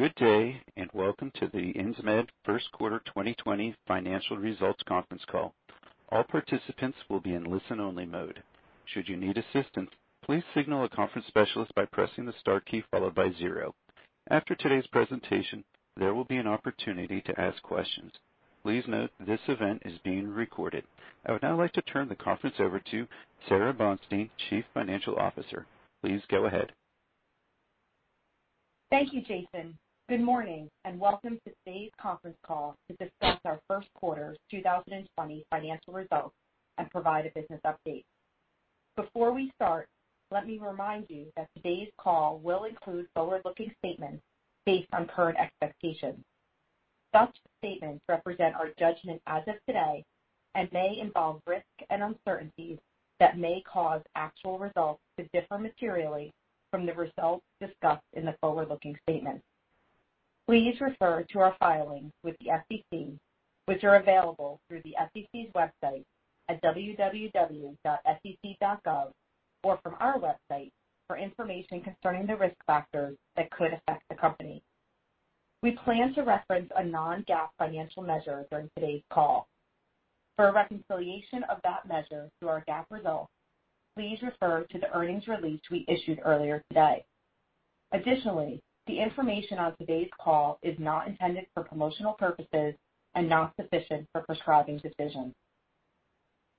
Good day, and welcome to the Insmed first quarter 2020 financial results conference call. All participants will be in listen-only mode. Should you need assistance, please signal a conference specialist by pressing the star key followed by zero. After today's presentation, there will be an opportunity to ask questions. Please note this event is being recorded. I would now like to turn the conference over to Sara Bonstein, Chief Financial Officer. Please go ahead. Thank you, Jason. Good morning and welcome to today's conference call to discuss our first quarter 2020 financial results and provide a business update. Before we start, let me remind you that today's call will include forward-looking statements based on current expectations. Such statements represent our judgment as of today and may involve risks and uncertainties that may cause actual results to differ materially from the results discussed in the forward-looking statements. Please refer to our filings with the SEC, which are available through the SEC's website at www.sec.gov or from our website for information concerning the risk factors that could affect the company. We plan to reference a non-GAAP financial measure during today's call. For a reconciliation of that measure to our GAAP results, please refer to the earnings release we issued earlier today. Additionally, the information on today's call is not intended for promotional purposes and not sufficient for prescribing decisions.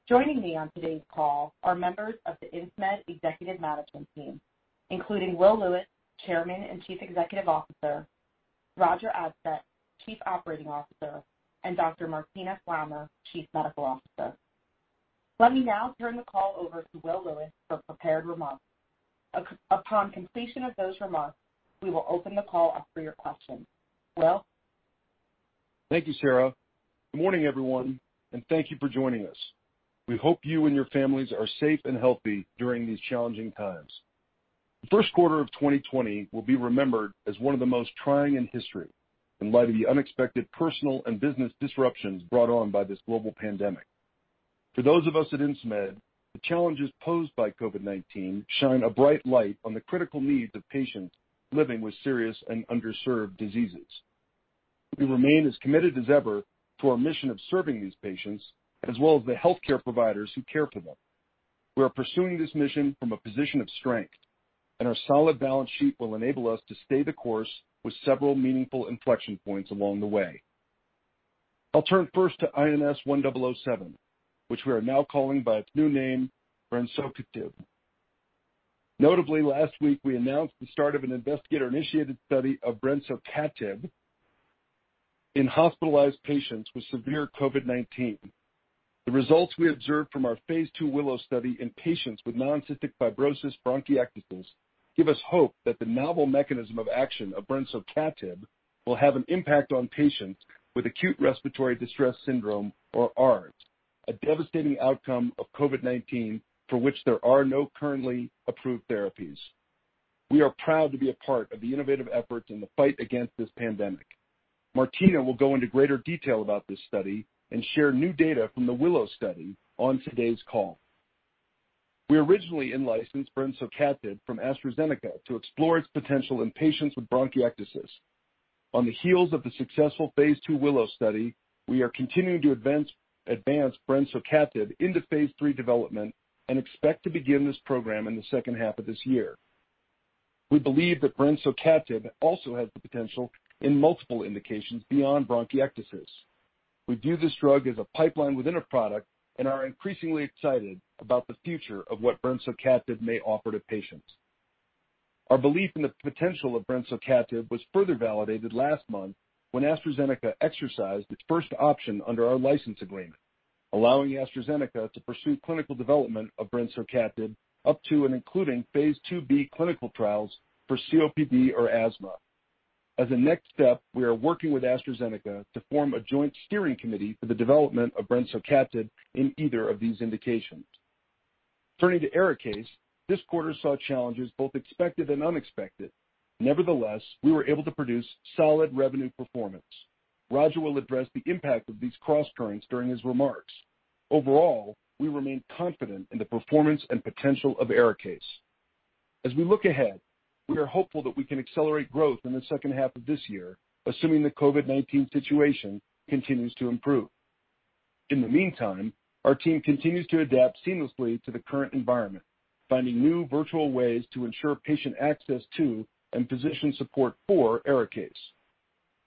Joining me on today's call are members of the Insmed executive management team, including Will Lewis, Chairman and Chief Executive Officer, Roger Adsett, Chief Operating Officer, and Dr. Martina Flammer, Chief Medical Officer. Let me now turn the call over to Will Lewis for prepared remarks. Upon completion of those remarks, we will open the call up for your questions. Will? Thank you, Sara. Good morning, everyone, and thank you for joining us. We hope you and your families are safe and healthy during these challenging times. The first quarter of 2020 will be remembered as one of the most trying in history in light of the unexpected personal and business disruptions brought on by this global pandemic. For those of us at Insmed, the challenges posed by COVID-19 shine a bright light on the critical needs of patients living with serious and underserved diseases. We remain as committed as ever to our mission of serving these patients, as well as the healthcare providers who care for them. We are pursuing this mission from a position of strength, and our solid balance sheet will enable us to stay the course with several meaningful inflection points along the way. I'll turn first to INS1007, which we are now calling by its new name, brensocatib. Notably, last week we announced the start of an investigator-initiated study of brensocatib in hospitalized patients with severe COVID-19. The results we observed from our phase II WILLOW study in patients with non-cystic fibrosis bronchiectasis give us hope that the novel mechanism of action of brensocatib will have an impact on patients with acute respiratory distress syndrome, or ARDS, a devastating outcome of COVID-19 for which there are no currently approved therapies. We are proud to be a part of the innovative efforts in the fight against this pandemic. Martina will go into greater detail about this study and share new data from the WILLOW study on today's call. We originally in-licensed brensocatib from AstraZeneca to explore its potential in patients with bronchiectasis. On the heels of the successful phase II WILLOW study, we are continuing to advance brensocatib into phase III development and expect to begin this program in the second half of this year. We believe that brensocatib also has the potential in multiple indications beyond bronchiectasis. We view this drug as a pipeline within a product and are increasingly excited about the future of what brensocatib may offer to patients. Our belief in the potential of brensocatib was further validated last month when AstraZeneca exercised its first option under our license agreement, allowing AstraZeneca to pursue clinical development of brensocatib up to and including phase IIb clinical trials for COPD or asthma. As a next step, we are working with AstraZeneca to form a joint steering committee for the development of brensocatib in either of these indications. Turning to ARIKAYCE, this quarter saw challenges both expected and unexpected. Nevertheless, we were able to produce solid revenue performance. Roger will address the impact of these crosscurrents during his remarks. Overall, we remain confident in the performance and potential of ARIKAYCE. As we look ahead, we are hopeful that we can accelerate growth in the second half of this year, assuming the COVID-19 situation continues to improve. In the meantime, our team continues to adapt seamlessly to the current environment, finding new virtual ways to ensure patient access to and physician support for ARIKAYCE.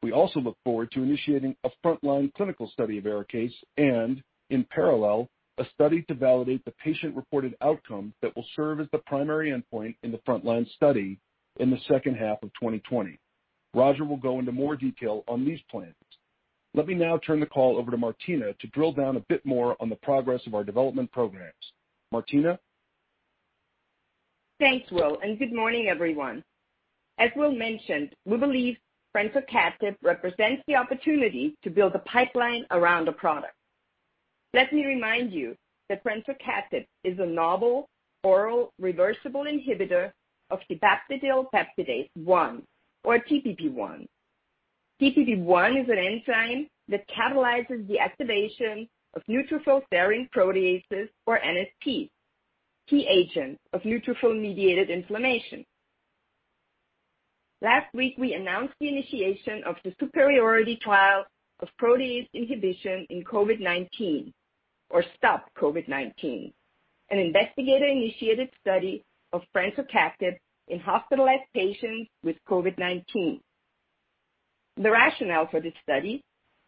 We also look forward to initiating a frontline clinical study of ARIKAYCE and, in parallel, a study to validate the patient-reported outcome that will serve as the primary endpoint in the frontline study in the second half of 2020. Roger will go into more detail on these plans. Let me now turn the call over to Martina to drill down a bit more on the progress of our development programs. Martina? Thanks, Will, and good morning, everyone. As Will mentioned, we believe brensocatib represents the opportunity to build a pipeline around a product. Let me remind you that brensocatib is a novel oral reversible inhibitor of dipeptidyl peptidase 1, or DPP1. DPP1 is an enzyme that catalyzes the activation of neutrophil serine proteases, or NSPs, key agents of neutrophil-mediated inflammation. Last week, we announced the initiation of the superiority trial of protease inhibition in COVID-19, or STOP-COVID19, an investigator-initiated study of brensocatib in hospitalized patients with COVID-19. The rationale for this study,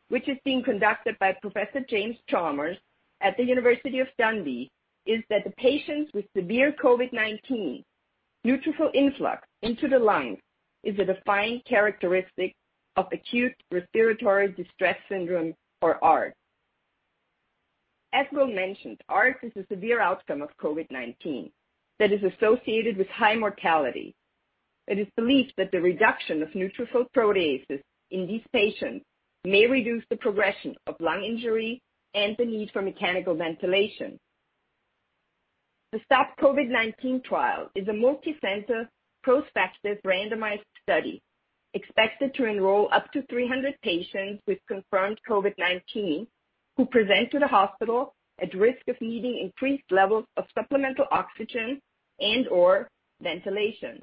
which is being conducted by Professor James Chalmers at the University of Dundee, is that the patients with severe COVID-19 neutrophil influx into the lungs is a defining characteristic of acute respiratory distress syndrome, or ARDS. As Will mentioned, ARDS is a severe outcome of COVID-19 that is associated with high mortality. It is believed that the reduction of neutrophil proteases in these patients may reduce the progression of lung injury and the need for mechanical ventilation. The STOP-COVID19 trial is a multicenter, prospective, randomized study expected to enroll up to 300 patients with confirmed COVID-19 who present to the hospital at risk of needing increased levels of supplemental oxygen and/or ventilation.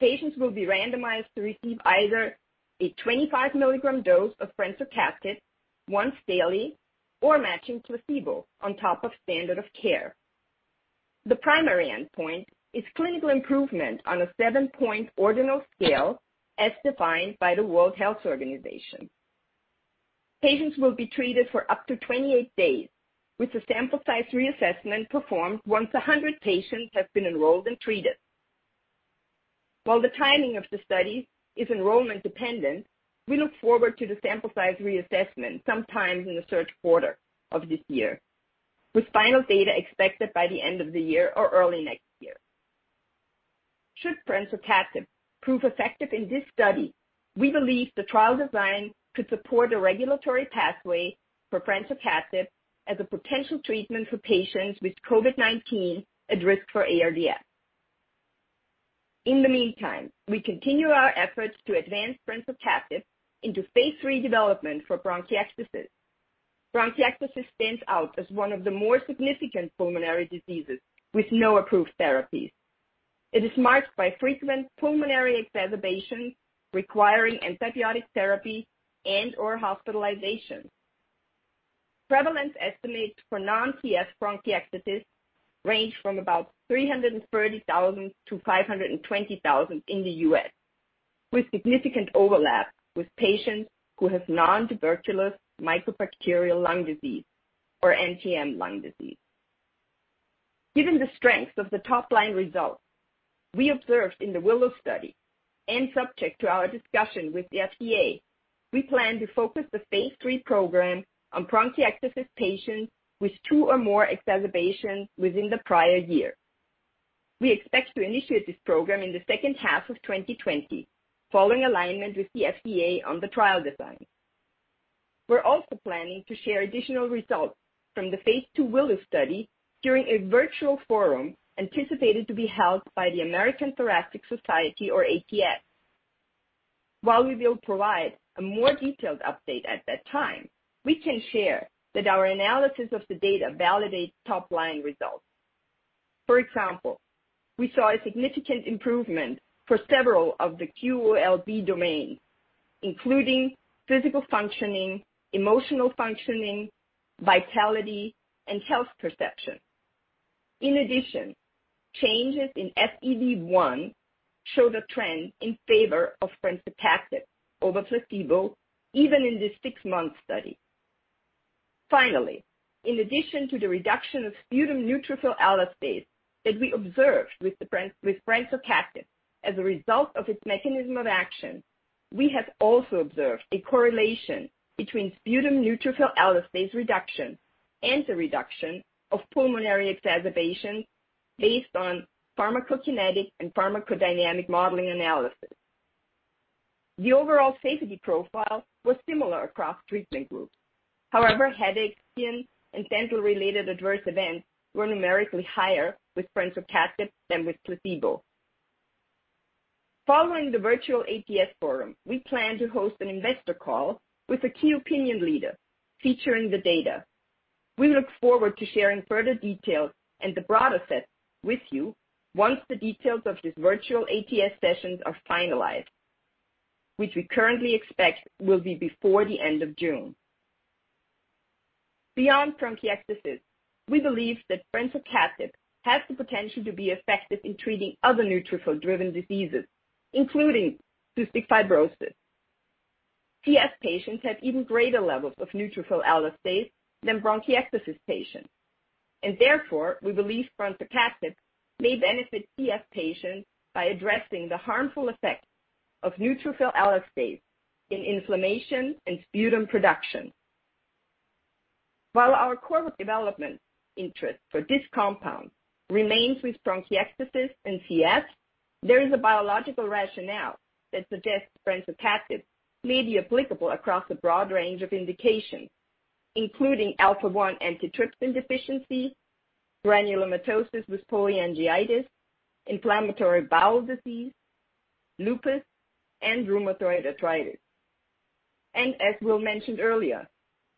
Patients will be randomized to receive either a 25 milligram dose of brensocatib once daily or matching placebo on top of standard of care. The primary endpoint is clinical improvement on a seven-point ordinal scale as defined by the World Health Organization. Patients will be treated for up to 28 days with a sample size reassessment performed once 100 patients have been enrolled and treated. While the timing of the study is enrollment-dependent, we look forward to the sample size reassessment sometime in the third quarter of this year, with final data expected by the end of the year or early next year. Should brensocatib prove effective in this study, we believe the trial design could support a regulatory pathway for brensocatib as a potential treatment for patients with COVID-19 at risk for ARDS. In the meantime, we continue our efforts to advance brensocatib into phase III development for bronchiectasis. Bronchiectasis stands out as one of the more significant pulmonary diseases with no approved therapies. It is marked by frequent pulmonary exacerbations requiring antibiotic therapy and/or hospitalization. Prevalence estimates for non-CF bronchiectasis range from about 330,000-520,000 in the U.S., with significant overlap with patients who have nontuberculous mycobacterial lung disease, or NTM lung disease. Given the strength of the top-line results we observed in the WILLOW study and subject to our discussion with the FDA, we plan to focus the phase III program on bronchiectasis patients with two or more exacerbations within the prior year. We expect to initiate this program in the second half of 2020, following alignment with the FDA on the trial design. We're also planning to share additional results from the phase II WILLOW study during a virtual forum anticipated to be held by the American Thoracic Society, or ATS. While we will provide a more detailed update at that time, we can share that our analysis of the data validates top-line results. For example, we saw a significant improvement for several of the QOL-B domains, including physical functioning, emotional functioning, vitality, and health perception. In addition, changes in FEV1 show the trend in favor of brensocatib over placebo, even in this six-month study. Finally, in addition to the reduction of sputum neutrophil elastase that we observed with brensocatib as a result of its mechanism of action, we have also observed a correlation between sputum neutrophil elastase reduction and the reduction of pulmonary exacerbations based on pharmacokinetic and pharmacodynamic modeling analysis. The overall safety profile was similar across treatment groups. However, headache, skin, and dental-related adverse events were numerically higher with brensocatib than with placebo. Following the virtual ATS forum, we plan to host an investor call with a key opinion leader featuring the data. We look forward to sharing further details and the broader set with you once the details of these virtual ATS sessions are finalized, which we currently expect will be before the end of June. Beyond bronchiectasis, we believe that brensocatib has the potential to be effective in treating other neutrophil-driven diseases, including cystic fibrosis. CF patients have even greater levels of neutrophil elastase than bronchiectasis patients, therefore, we believe brensocatib may benefit CF patients by addressing the harmful effects of neutrophil elastase in inflammation and sputum production. While our core development interest for this compound remains with bronchiectasis and CF, there is a biological rationale that suggests brensocatib may be applicable across a broad range of indications, including alpha-1 antitrypsin deficiency, granulomatosis with polyangiitis, inflammatory bowel disease, lupus, and rheumatoid arthritis. As Will mentioned earlier,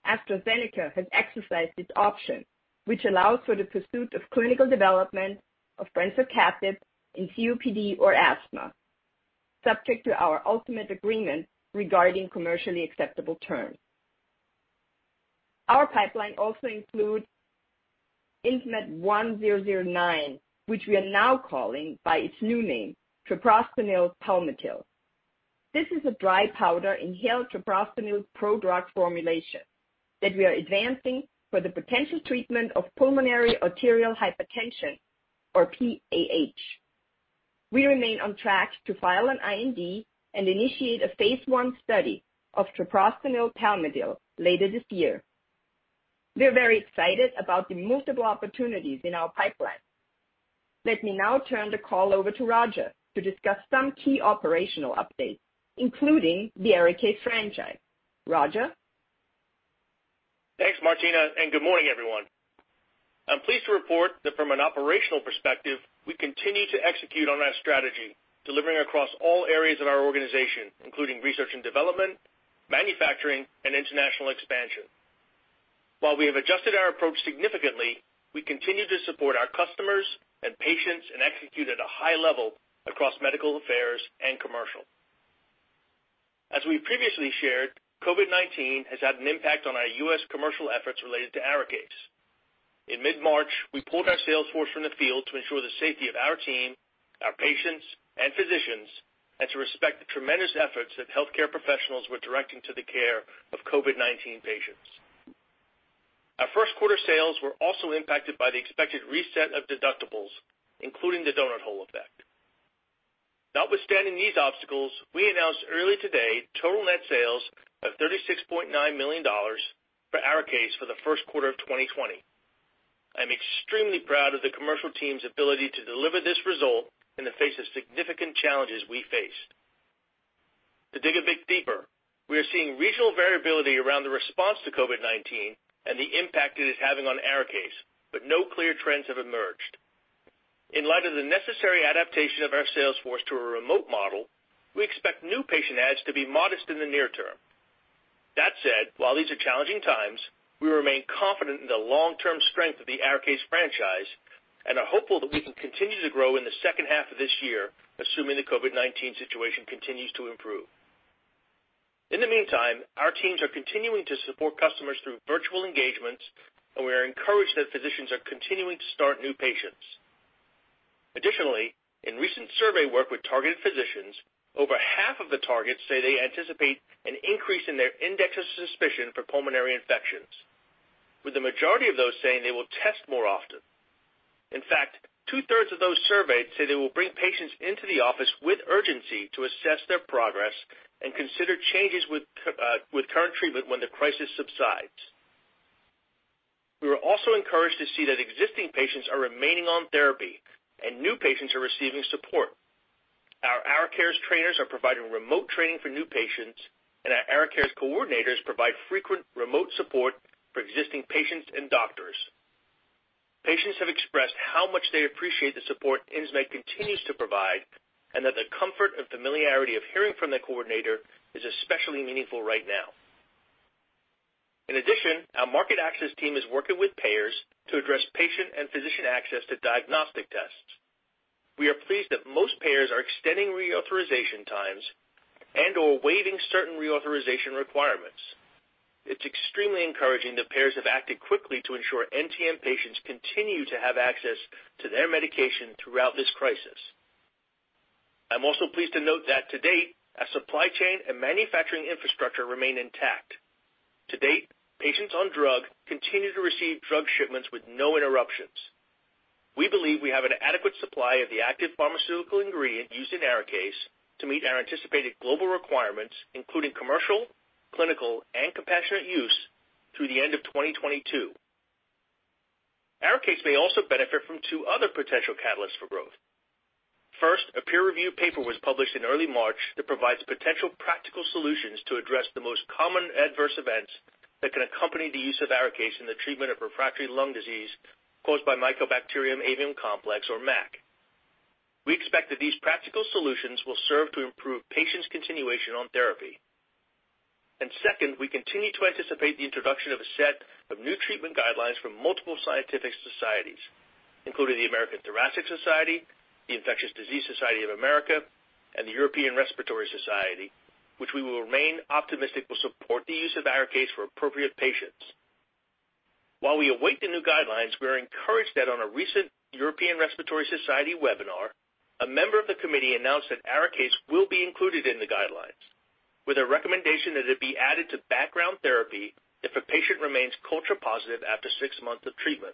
AstraZeneca has exercised its option, which allows for the pursuit of clinical development of brensocatib in COPD or asthma, subject to our ultimate agreement regarding commercially acceptable terms. Our pipeline also includes INS1009, which we are now calling by its new name, treprostinil palmitil. This is a dry powder inhaled treprostinil pro-drug formulation that we are advancing for the potential treatment of pulmonary arterial hypertension or PAH. We remain on track to file an IND and initiate a phase I study of treprostinil palmitil later this year. We are very excited about the multiple opportunities in our pipeline. Let me now turn the call over to Roger to discuss some key operational updates, including the ARIKAYCE franchise. Roger? Thanks, Martina, and good morning, everyone. I'm pleased to report that from an operational perspective, we continue to execute on our strategy, delivering across all areas of our organization, including research and development, manufacturing, and international expansion. While we have adjusted our approach significantly, we continue to support our customers and patients and execute at a high level across medical affairs and commercial. As we previously shared, COVID-19 has had an impact on our U.S. commercial efforts related to ARIKAYCE. In mid-March, we pulled our sales force from the field to ensure the safety of our team, our patients, and physicians, and to respect the tremendous efforts that healthcare professionals were directing to the care of COVID-19 patients. Our first quarter sales were also impacted by the expected reset of deductibles, including the donut hole effect. Notwithstanding these obstacles, we announced early today total net sales of $36.9 million for ARIKAYCE for the first quarter of 2020. I'm extremely proud of the commercial team's ability to deliver this result in the face of significant challenges we faced. To dig a bit deeper, we are seeing regional variability around the response to COVID-19 and the impact it is having on ARIKAYCE, but no clear trends have emerged. In light of the necessary adaptation of our sales force to a remote model, we expect new patient adds to be modest in the near term. That said, while these are challenging times, we remain confident in the long-term strength of the ARIKAYCE franchise and are hopeful that we can continue to grow in the second half of this year, assuming the COVID-19 situation continues to improve. In the meantime, our teams are continuing to support customers through virtual engagements, and we are encouraged that physicians are continuing to start new patients. Additionally, in recent survey work with targeted physicians, over half of the targets say they anticipate an increase in their index of suspicion for pulmonary infections, with the majority of those saying they will test more often. In fact, two-thirds of those surveyed say they will bring patients into the office with urgency to assess their progress and consider changes with current treatment when the crisis subsides. We were also encouraged to see that existing patients are remaining on therapy and new patients are receiving support. Our ARIKAYCE trainers are providing remote training for new patients, and our ARIKAYCE coordinators provide frequent remote support for existing patients and doctors. Patients have expressed how much they appreciate the support Insmed continues to provide, and that the comfort and familiarity of hearing from the coordinator is especially meaningful right now. In addition, our market access team is working with payers to address patient and physician access to diagnostic tests. We are pleased that most payers are extending reauthorization times and/or waiving certain reauthorization requirements. It's extremely encouraging that payers have acted quickly to ensure NTM patients continue to have access to their medication throughout this crisis. I'm also pleased to note that to date, our supply chain and manufacturing infrastructure remain intact. To date, patients on drug continue to receive drug shipments with no interruptions. We believe we have an adequate supply of the active pharmaceutical ingredient used in ARIKAYCE to meet our anticipated global requirements, including commercial, clinical, and compassionate use through the end of 2022. ARIKAYCE may also benefit from two other potential catalysts for growth. A peer-reviewed paper was published in early March that provides potential practical solutions to address the most common adverse events that can accompany the use of ARIKAYCE in the treatment of refractory lung disease caused by Mycobacterium avium complex, or MAC. We expect that these practical solutions will serve to improve patients' continuation on therapy. Second, we continue to anticipate the introduction of a set of new treatment guidelines from multiple scientific societies, including the American Thoracic Society, the Infectious Diseases Society of America, and the European Respiratory Society, which we will remain optimistic will support the use of ARIKAYCE for appropriate patients. While we await the new guidelines, we are encouraged that on a recent European Respiratory Society webinar, a member of the committee announced that ARIKAYCE will be included in the guidelines with a recommendation that it be added to background therapy if a patient remains culture positive after six months of treatment.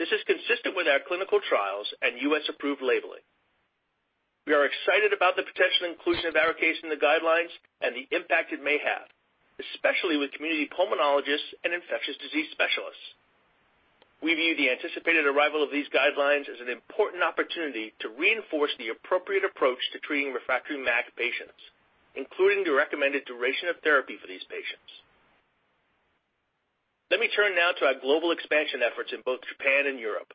This is consistent with our clinical trials and U.S.-approved labeling. We are excited about the potential inclusion of ARIKAYCE in the guidelines and the impact it may have, especially with community pulmonologists and infectious disease specialists. We view the anticipated arrival of these guidelines as an important opportunity to reinforce the appropriate approach to treating refractory MAC patients, including the recommended duration of therapy for these patients. Let me turn now to our global expansion efforts in both Japan and Europe.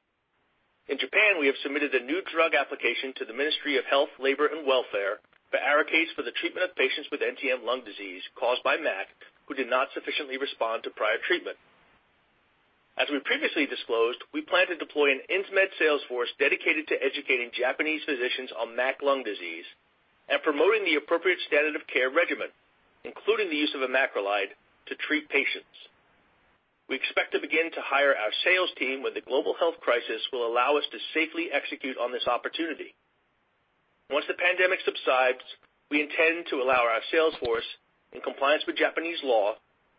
In Japan, we have submitted a new drug application to the Ministry of Health, Labour and Welfare for ARIKAYCE for the treatment of patients with NTM lung disease caused by MAC, who did not sufficiently respond to prior treatment. As we previously disclosed, we plan to deploy an Insmed sales force dedicated to educating Japanese physicians on MAC lung disease and promoting the appropriate standard of care regimen, including the use of a macrolide to treat patients. We expect to begin to hire our sales team when the global health crisis will allow us to safely execute on this opportunity. Once the pandemic subsides, we intend to allow our sales force, in compliance with Japanese law,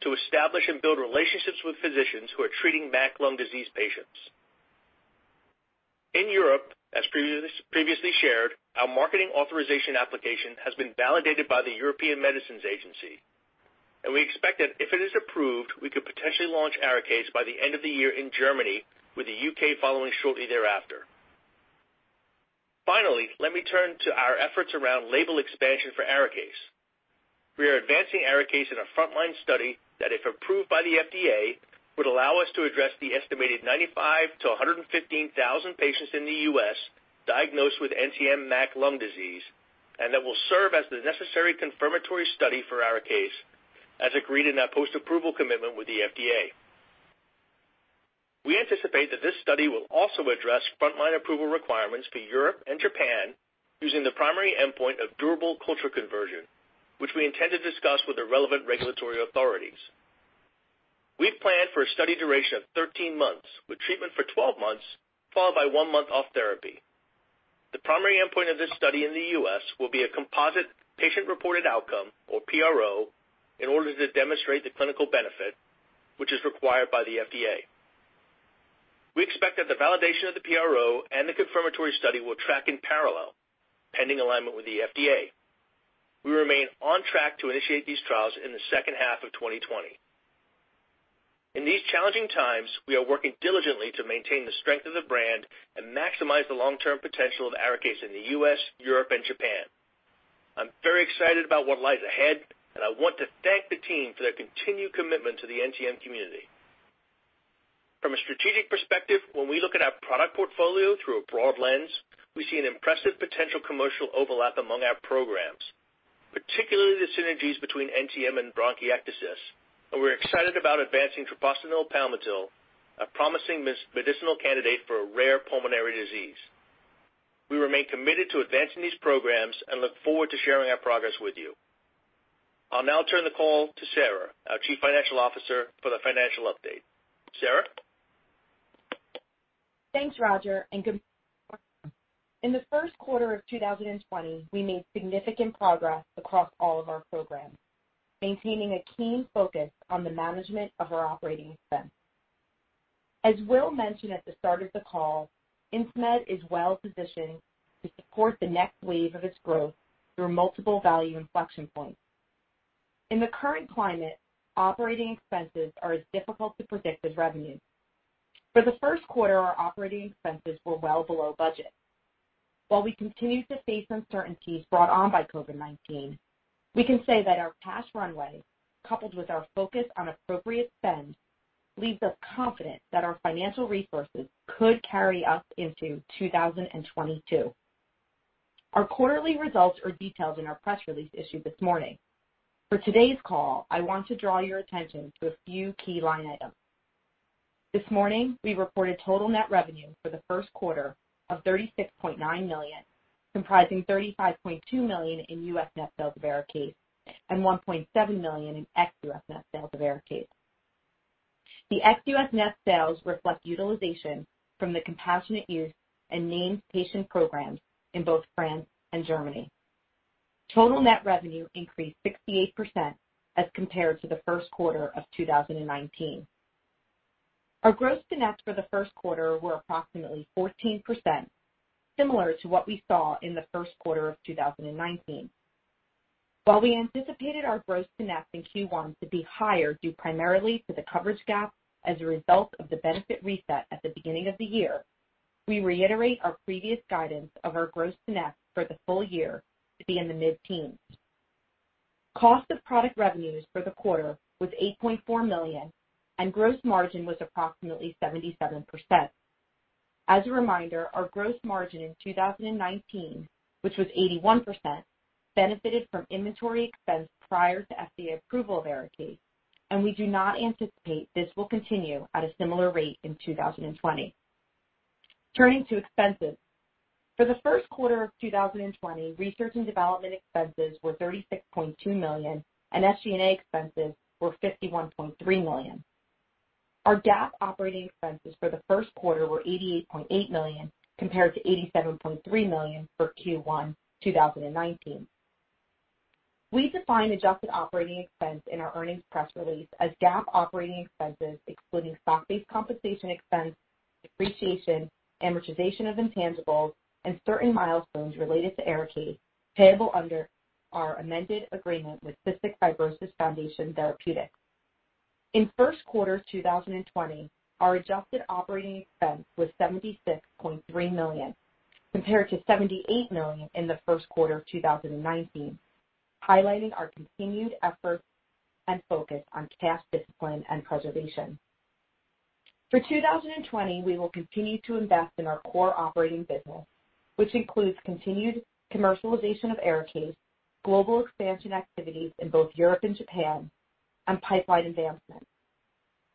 to establish and build relationships with physicians who are treating MAC lung disease patients. In Europe, as previously shared, our marketing authorization application has been validated by the European Medicines Agency. We expect that if it is approved, we could potentially launch ARIKAYCE by the end of the year in Germany, with the U.K. following shortly thereafter. Finally, let me turn to our efforts around label expansion for ARIKAYCE. We are advancing ARIKAYCE in a frontline study that, if approved by the FDA, would allow us to address the estimated 95 to 115,000 patients in the U.S. diagnosed with NTM MAC lung disease, and that will serve as the necessary confirmatory study for ARIKAYCE, as agreed in our post-approval commitment with the FDA. We anticipate that this study will also address frontline approval requirements for Europe and Japan using the primary endpoint of durable culture conversion, which we intend to discuss with the relevant regulatory authorities. We've planned for a study duration of 13 months, with treatment for 12 months, followed by one month off therapy. The primary endpoint of this study in the U.S. will be a composite patient-reported outcome, or PRO, in order to demonstrate the clinical benefit, which is required by the FDA. We expect that the validation of the PRO and the confirmatory study will track in parallel, pending alignment with the FDA. We remain on track to initiate these trials in the second half of 2020. In these challenging times, we are working diligently to maintain the strength of the brand and maximize the long-term potential of ARIKAYCE in the U.S., Europe, and Japan. I'm very excited about what lies ahead, and I want to thank the team for their continued commitment to the NTM community. From a strategic perspective, when we look at our product portfolio through a broad lens, we see an impressive potential commercial overlap among our programs, particularly the synergies between NTM and bronchiectasis, and we're excited about advancing treprostinil Palmitil, a promising medicinal candidate for a rare pulmonary disease. We remain committed to advancing these programs and look forward to sharing our progress with you. I'll now turn the call to Sara, our Chief Financial Officer, for the financial update. Sara? Thanks, Roger. In the first quarter of 2020, we made significant progress across all of our programs, maintaining a keen focus on the management of our Operating Expense. As Will mentioned at the start of the call, Insmed is well-positioned to support the next wave of its growth through multiple value inflection points. In the current climate, operating expenses are as difficult to predict as revenue. For the first quarter, our operating expenses were well below budget. While we continue to face uncertainties brought on by COVID-19, we can say that our cash runway, coupled with our focus on appropriate spend, leaves us confident that our financial resources could carry us into 2022. Our quarterly results are detailed in our press release issued this morning. For today's call, I want to draw your attention to a few key line items. This morning, we reported total net revenue for the first quarter of $36.9 million, comprising $35.2 million in U.S. net sales of ARIKAYCE and $1.7 million in ex-U.S. net sales of ARIKAYCE. The ex-U.S. net sales reflect utilization from the compassionate use and named patient programs in both France and Germany. Total net revenue increased 68% as compared to the first quarter of 2019. Our gross to net for the first quarter were approximately 14%, similar to what we saw in the first quarter of 2019. While we anticipated our gross to net in Q1 to be higher due primarily to the coverage gap as a result of the benefit reset at the beginning of the year, we reiterate our previous guidance of our gross to net for the full year to be in the mid-teens. Cost of product revenues for the quarter was $8.4 million, and gross margin was approximately 77%. As a reminder, our gross margin in 2019, which was 81%, benefited from inventory expense prior to FDA approval of ARIKAYCE, and we do not anticipate this will continue at a similar rate in 2020. Turning to expenses. For the first quarter of 2020, research and development expenses were $36.2 million, and SG&A expenses were $51.3 million. Our GAAP operating expenses for the first quarter were $88.8 million, compared to $87.3 million for Q1 2019. We define adjusted operating expense in our earnings press release as GAAP operating expenses, excluding stock-based compensation expense, depreciation, amortization of intangibles, and certain milestones related to ARIKAYCE payable under our amended agreement with Cystic Fibrosis Foundation Therapeutics Inc. In first quarter 2020, our adjusted operating expense was $76.3 million, compared to $78 million in the first quarter of 2019, highlighting our continued effort and focus on cash discipline and preservation. For 2020, we will continue to invest in our core operating business, which includes continued commercialization of ARIKAYCE, global expansion activities in both Europe and Japan, and pipeline advancements.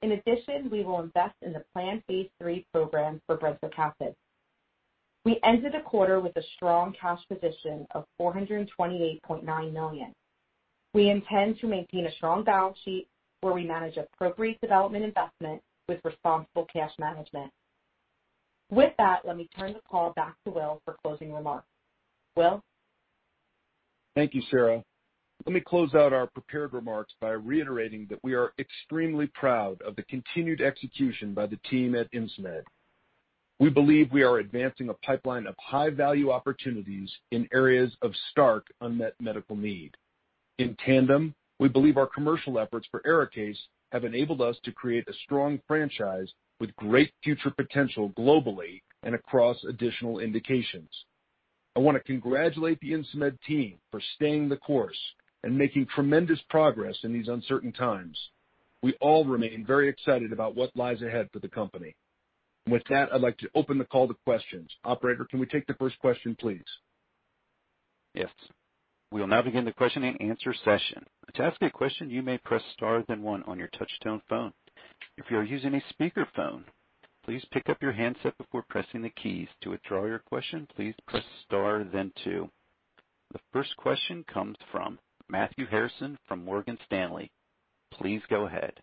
In addition, we will invest in the planned phase III program for brensocatib. We ended the quarter with a strong cash position of $428.9 million. We intend to maintain a strong balance sheet where we manage appropriate development investment with responsible cash management. With that, let me turn the call back to Will for closing remarks. Will? Thank you, Sara. Let me close out our prepared remarks by reiterating that we are extremely proud of the continued execution by the team at Insmed. We believe we are advancing a pipeline of high-value opportunities in areas of stark unmet medical need. In tandem, we believe our commercial efforts for ARIKAYCE have enabled us to create a strong franchise with great future potential globally and across additional indications. I want to congratulate the Insmed team for staying the course and making tremendous progress in these uncertain times. We all remain very excited about what lies ahead for the company. With that, I'd like to open the call to questions. Operator, can we take the first question, please? Yes. We will now begin the question and answer session. To ask a question, you may press star, then one on your touch-tone phone. If you are using a speakerphone, please pick up your handset before pressing the keys. To withdraw your question, please press star, then two. The first question comes from Matthew Harrison from Morgan Stanley. Please go ahead.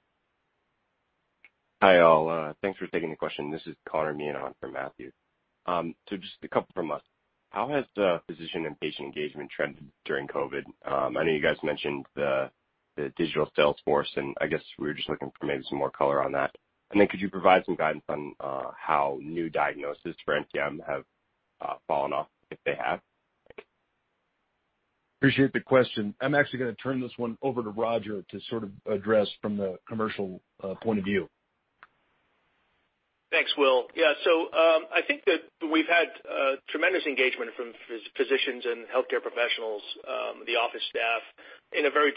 Hi, all. Thanks for taking the question. This is Connor Meehan on for Matthew. Just a couple from us. How has the physician and patient engagement trended during COVID? I know you guys mentioned the digital sales force, and I guess we were just looking for maybe some more color on that. Then could you provide some guidance on how new diagnoses for NTM have fallen off, if they have? Thank you. Appreciate the question. I'm actually going to turn this one over to Roger to sort of address from the commercial point of view. Thanks, Will. I think that we've had tremendous engagement from physicians and healthcare professionals, the office staff, in a very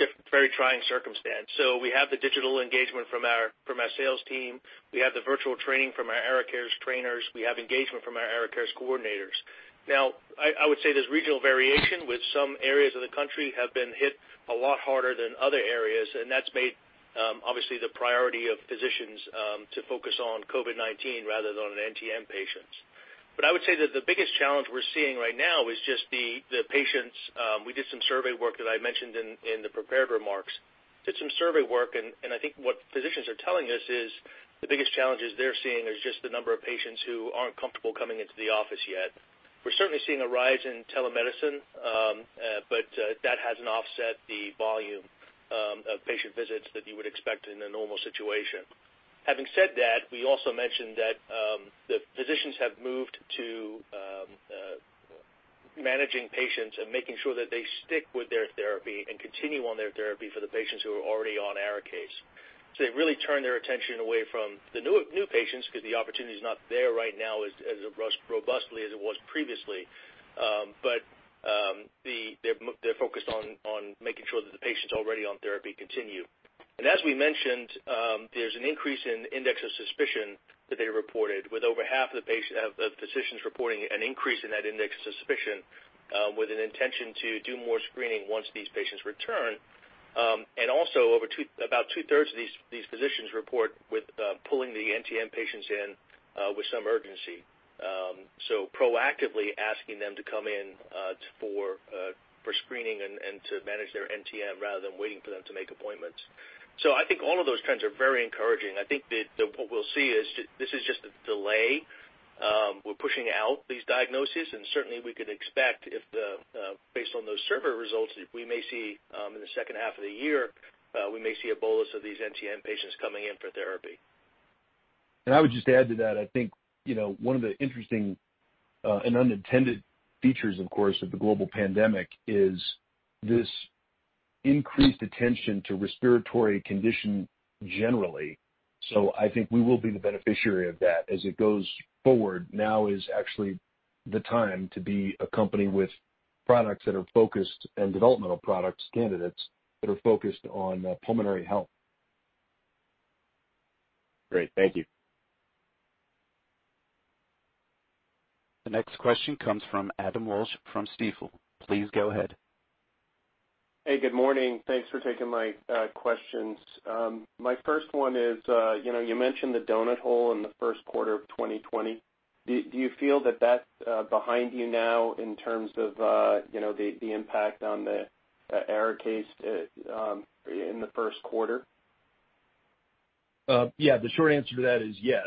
trying circumstance. We have the digital engagement from our sales team. We have the virtual training from our ARIKAYCE trainers. We have engagement from our ARIKAYCE coordinators. I would say there's regional variation with some areas of the country have been hit a lot harder than other areas, and that's made, obviously, the priority of physicians to focus on COVID-19 rather than on NTM patients. I would say that the biggest challenge we're seeing right now is just the patients. We did some survey work that I mentioned in the prepared remarks. Did some survey work, and I think what physicians are telling us is the biggest challenges they're seeing is just the number of patients who aren't comfortable coming into the office yet. We're certainly seeing a rise in telemedicine, but that hasn't offset the volume of patient visits that you would expect in a normal situation. Having said that, we also mentioned that the physicians have moved to managing patients and making sure that they stick with their therapy and continue on their therapy for the patients who are already on ARIKAYCE. They've really turned their attention away from the new patients because the opportunity is not there right now as robustly as it was previously. They're focused on making sure that the patients already on therapy continue. As we mentioned, there's an increase in index of suspicion that they reported, with over half of the physicians reporting an increase in that index of suspicion with an intention to do more screening once these patients return. Also about two-thirds of these physicians report with pulling the NTM patients in with some urgency. Proactively asking them to come in for screening and to manage their NTM rather than waiting for them to make appointments. I think all of those trends are very encouraging. I think that what we'll see is this is just a delay. We're pushing out these diagnoses, and certainly we could expect if the-- based on those survey results, we may see in the second half of the year, we may see a bolus of these NTM patients coming in for therapy. I would just add to that, I think, one of the interesting and unintended features, of course, of the global pandemic is this increased attention to respiratory condition generally. I think we will be the beneficiary of that as it goes forward. Now is actually the time to be a company with products that are focused and developmental products candidates that are focused on pulmonary health. Great. Thank you. The next question comes from Adam Walsh from Stifel. Please go ahead. Hey, good morning. Thanks for taking my questions. My first one is, you mentioned the donut hole in the first quarter of 2020. Do you feel that that's behind you now in terms of the impact on the ARIKAYCE in the first quarter? Yeah. The short answer to that is yes.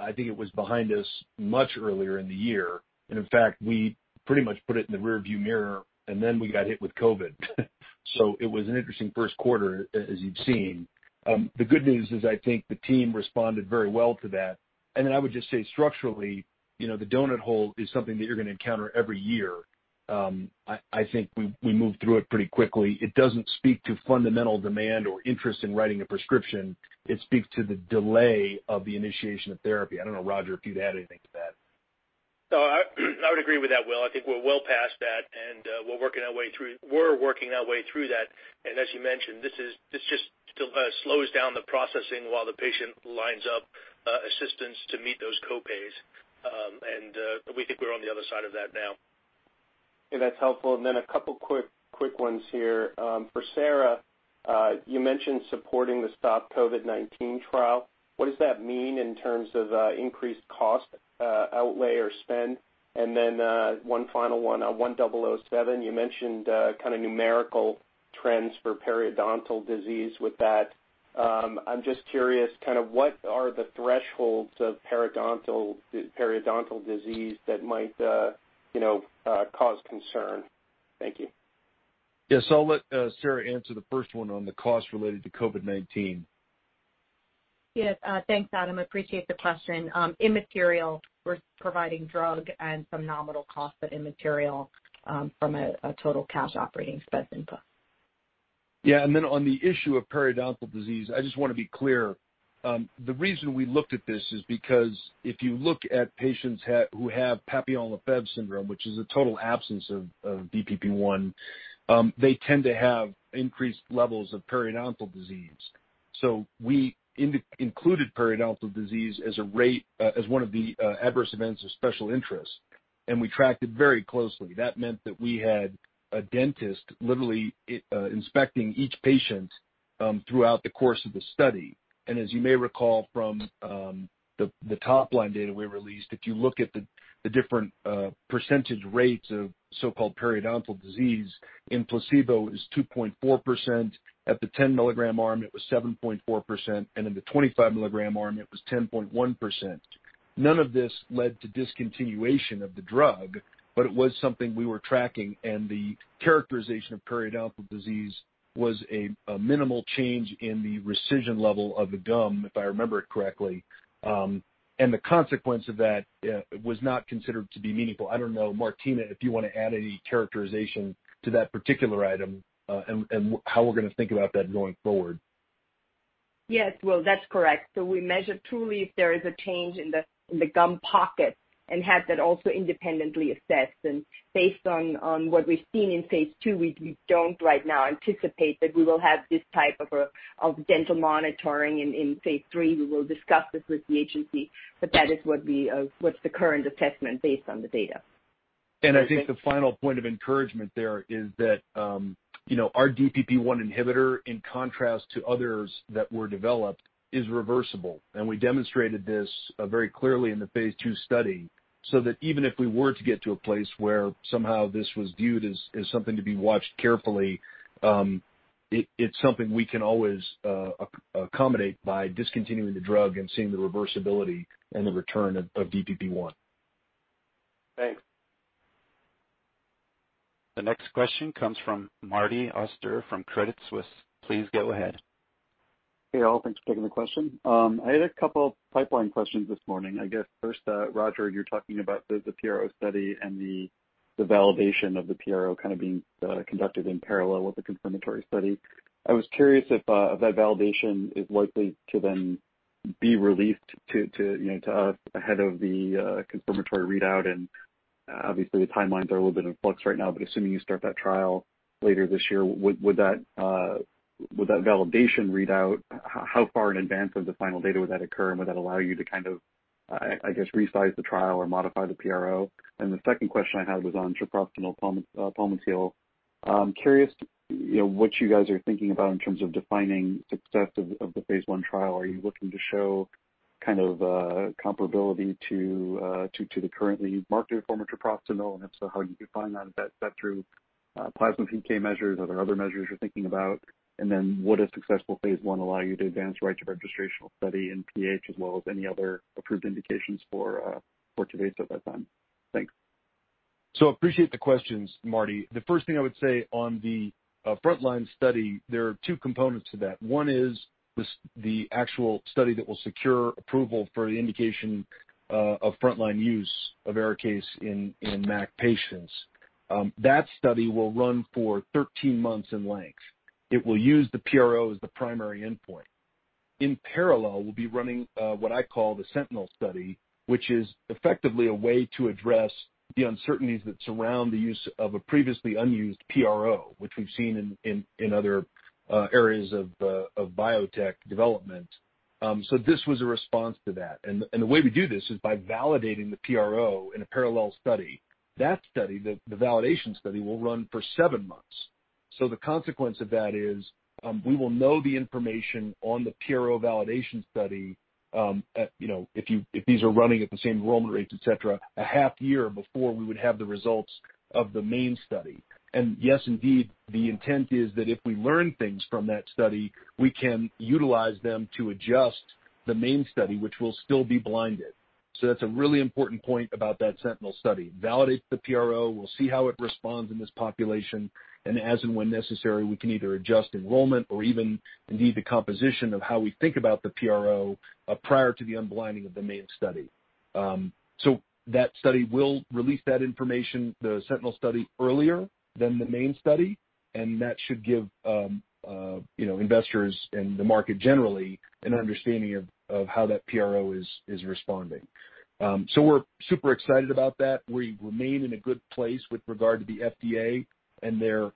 I think it was behind us much earlier in the year. In fact, we pretty much put it in the rear view mirror, then we got hit with COVID-19. It was an interesting first quarter, as you've seen. The good news is I think the team responded very well to that. Then I would just say structurally, the donut hole is something that you're going to encounter every year. I think we moved through it pretty quickly. It doesn't speak to fundamental demand or interest in writing a prescription. It speaks to the delay of the initiation of therapy. I don't know, Roger, if you'd add anything to that. No, I would agree with that, Will. I think we're well past that, and we're working our way through that. As you mentioned, this just slows down the processing while the patient lines up assistance to meet those co-pays. We think we're on the other side of that now. That's helpful. A couple quick ones here. For Sara, you mentioned supporting the STOP-COVID19 trial. What does that mean in terms of increased cost outlay or spend? One final one on 1007, you mentioned numerical trends for periodontal disease with that. I'm just curious, what are the thresholds of periodontal disease that might cause concern? Thank you. Yes, I'll let Sara answer the first one on the cost related to COVID-19. Yes. Thanks, Adam. Appreciate the question. Immaterial. We're providing drug and some nominal costs, but immaterial from a total cash operating expense input. Yeah. Then on the issue of periodontal disease, I just want to be clear. The reason we looked at this is because if you look at patients who have Papillon-Lefèvre syndrome, which is a total absence of DPP1, they tend to have increased levels of periodontal disease. We included periodontal disease as one of the adverse events of special interest, and we tracked it very closely. That meant that we had a dentist literally inspecting each patient throughout the course of the study. As you may recall from the top-line data we released, if you look at the different percentage rates of so-called periodontal disease in placebo is 2.4%. At the 10-milligram arm, it was 7.4%, and in the 25-milligram arm, it was 10.1%. None of this led to discontinuation of the drug, but it was something we were tracking, and the characterization of periodontal disease was a minimal change in the recession level of the gum, if I remember it correctly. The consequence of that was not considered to be meaningful. I don't know, Martina, if you want to add any characterization to that particular item and how we're going to think about that going forward. Yes, Will, that's correct. We measure truly if there is a change in the gum pocket and had that also independently assessed. Based on what we've seen in phase II, we don't right now anticipate that we will have this type of dental monitoring in phase III. We will discuss this with the agency, but that is what's the current assessment based on the data. I think the final point of encouragement there is that our DPP1 inhibitor, in contrast to others that were developed, is reversible. We demonstrated this very clearly in the phase II study, so that even if we were to get to a place where somehow this was viewed as something to be watched carefully, it's something we can always accommodate by discontinuing the drug and seeing the reversibility and the return of DPP1. Thanks. The next question comes from Martin Auster from Credit Suisse. Please go ahead. Hey, all. Thanks for taking the question. I had a couple pipeline questions this morning. I guess first, Roger, you're talking about the PRO study and the validation of the PRO kind of being conducted in parallel with the confirmatory study. I was curious if that validation is likely to then be released to us ahead of the confirmatory readout. Obviously the timelines are a little bit in flux right now, but assuming you start that trial later this year, would that validation readout, how far in advance of the final data would that occur, and would that allow you to kind of, I guess, resize the trial or modify the PRO? The second question I had was on treprostinil palmitil. Curious what you guys are thinking about in terms of defining success of the phase I trial. Are you looking to show kind of comparability to the currently marketed form of treprostinil? If so, how you define that? Is that through plasma PK measures? Are there other measures you're thinking about? Would a successful phase I allow you to advance right to registrational study in PH as well as any other approved indications for Tyvaso at that time? Thanks. Appreciate the questions, Martin. The first thing I would say on the frontline study, there are two components to that. One is the actual study that will secure approval for the indication of frontline use of ARIKAYCE in MAC patients. That study will run for 13 months in length. It will use the PRO as the primary endpoint. In parallel, we'll be running what I call the sentinel study, which is effectively a way to address the uncertainties that surround the use of a previously unused PRO, which we've seen in other areas of biotech development. This was a response to that. The way we do this is by validating the PRO in a parallel study. That study, the validation study, will run for seven months. The consequence of that is we will know the information on the PRO validation study if these are running at the same enrollment rates, et cetera, a half year before we would have the results of the main study. Yes, indeed, the intent is that if we learn things from that study, we can utilize them to adjust the main study, which will still be blinded. That's a really important point about that sentinel study. Validate the PRO, we'll see how it responds in this population. As and when necessary, we can either adjust enrollment or even indeed the composition of how we think about the PRO prior to the unblinding of the main study. That study will release that information, the Sentinel study, earlier than the main study, and that should give investors and the market generally an understanding of how that PRO is responding. We're super excited about that. We remain in a good place with regard to the FDA and their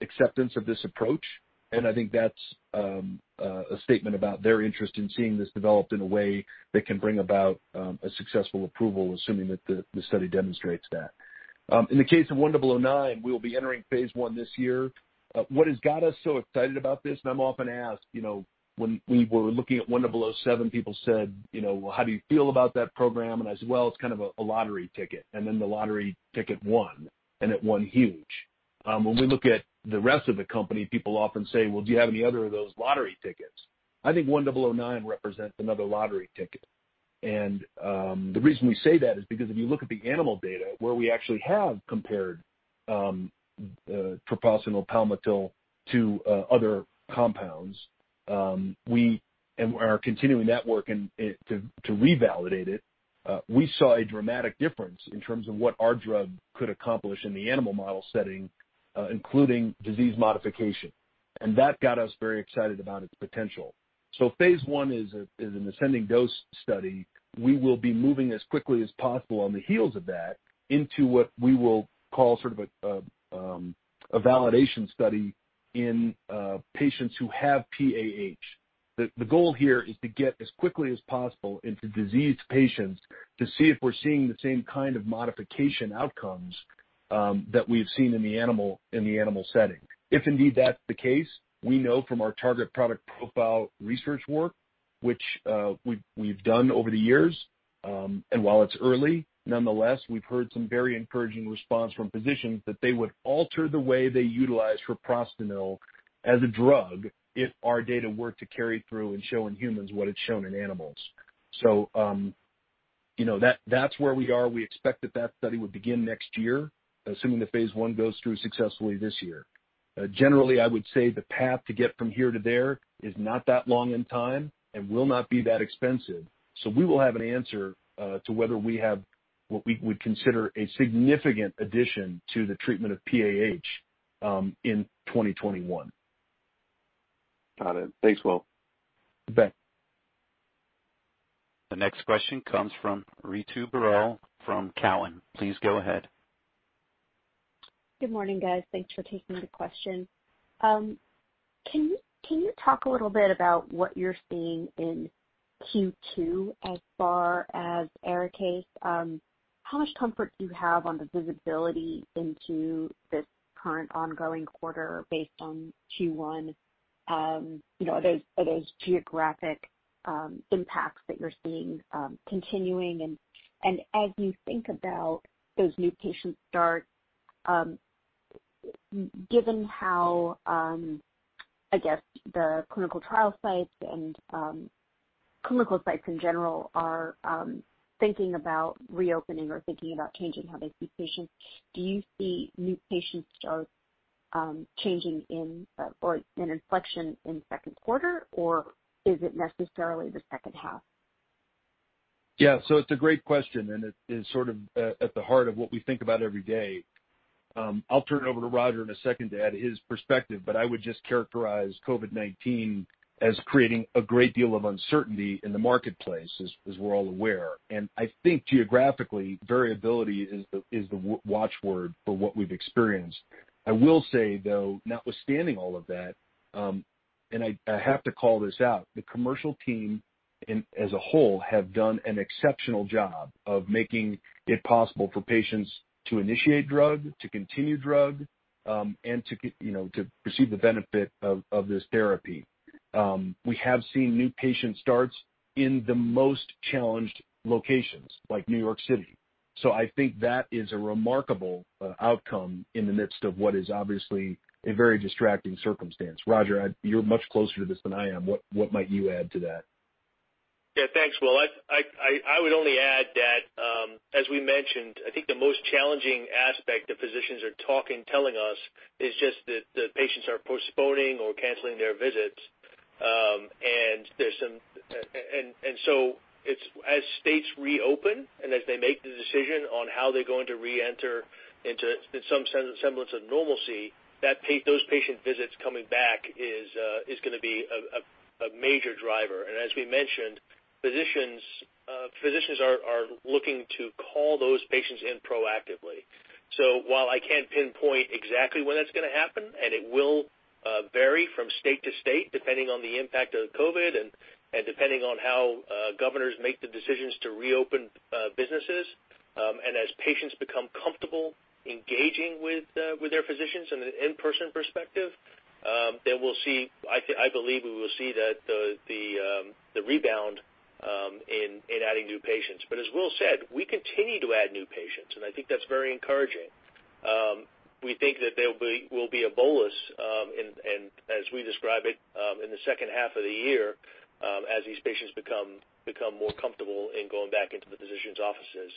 acceptance of this approach, and I think that's a statement about their interest in seeing this developed in a way that can bring about a successful approval, assuming that the study demonstrates that. In the case of 1009, we will be entering phase I this year. What has got us so excited about this, and I'm often asked, when we were looking at 1007, people said, "Well, how do you feel about that program?" I said, "Well, it's kind of a lottery ticket." The lottery ticket won, and it won huge. When we look at the rest of the company, people often say, "Well, do you have any other of those lottery tickets?" I think 1009 represents another lottery ticket. The reason we say that is because if you look at the animal data where we actually have compared treprostinil palmitil to other compounds, and are continuing that work to revalidate it, we saw a dramatic difference in terms of what our drug could accomplish in the animal model setting, including disease modification. That got us very excited about its potential. Phase I is an ascending dose study. We will be moving as quickly as possible on the heels of that into what we will call a validation study in patients who have PAH. The goal here is to get as quickly as possible into diseased patients to see if we're seeing the same kind of modification outcomes that we've seen in the animal setting. If indeed that's the case, we know from our target product profile research work, which we've done over the years, and while it's early, nonetheless, we've heard some very encouraging response from physicians that they would alter the way they utilize treprostinil as a drug if our data were to carry through and show in humans what it's shown in animals. That's where we are. We expect that that study would begin next year, assuming that phase I goes through successfully this year. Generally, I would say the path to get from here to there is not that long in time and will not be that expensive. We will have an answer to whether we have what we would consider a significant addition to the treatment of PAH in 2021. Got it. Thanks, Will. You bet. The next question comes from Ritu Baral from Cowen. Please go ahead. Good morning, guys. Thanks for taking the question. Can you talk a little bit about what you're seeing in Q2 as far as ARIKAYCE? How much comfort do you have on the visibility into this current ongoing quarter based on Q1? Are those geographic impacts that you're seeing continuing? As you think about those new patient starts, given how, I guess, the clinical trial sites and clinical sites in general are thinking about reopening or thinking about changing how they see patients, do you see new patient starts changing in or an inflection in the second quarter, or is it necessarily the second half? Yeah. It's a great question, and it is at the heart of what we think about every day. I'll turn it over to Roger in a second to add his perspective, but I would just characterize COVID-19 as creating a great deal of uncertainty in the marketplace, as we're all aware. I think geographically, variability is the watchword for what we've experienced. I will say, though, notwithstanding all of that, and I have to call this out, the commercial team as a whole have done an exceptional job of making it possible for patients to initiate drug, to continue drug, and to receive the benefit of this therapy. We have seen new patient starts in the most challenged locations, like New York City. I think that is a remarkable outcome in the midst of what is obviously a very distracting circumstance. Roger, you're much closer to this than I am. What might you add to that? Thanks, Will. I would only add that, as we mentioned, I think the most challenging aspect that physicians are telling us is just that the patients are postponing or canceling their visits. As states reopen and as they make the decision on how they're going to reenter into some semblance of normalcy, those patient visits coming back is going to be a major driver. As we mentioned, physicians are looking to call those patients in proactively. While I can't pinpoint exactly when that's going to happen, and it will vary from state to state, depending on the impact of COVID and depending on how governors make the decisions to reopen businesses. As patients become comfortable engaging with their physicians in an in-person perspective, I believe we will see the rebound in adding new patients. As Will said, we continue to add new patients, and I think that's very encouraging. We think that there will be a bolus, and as we describe it, in the second half of the year, as these patients become more comfortable in going back into the physicians' offices.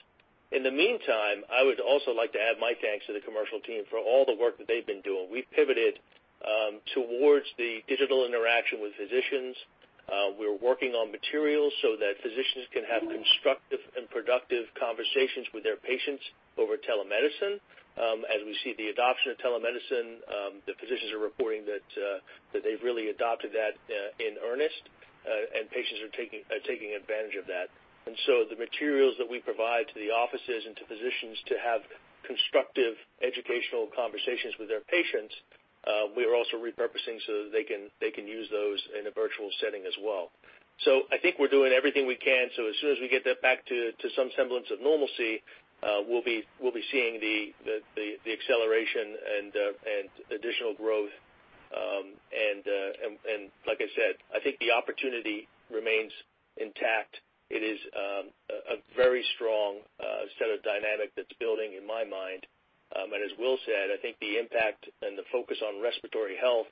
In the meantime, I would also like to add my thanks to the commercial team for all the work that they've been doing. We've pivoted towards the digital interaction with physicians. We're working on materials so that physicians can have constructive and productive conversations with their patients over telemedicine. As we see the adoption of telemedicine, the physicians are reporting that they've really adopted that in earnest, and patients are taking advantage of that. The materials that we provide to the offices and to physicians to have constructive educational conversations with their patients, we are also repurposing so that they can use those in a virtual setting as well. I think we're doing everything we can, so as soon as we get that back to some semblance of normalcy, we'll be seeing the acceleration and additional growth. Like I said, I think the opportunity remains intact. It is a very strong set of dynamic that's building in my mind. As Will said, I think the impact and the focus on respiratory health,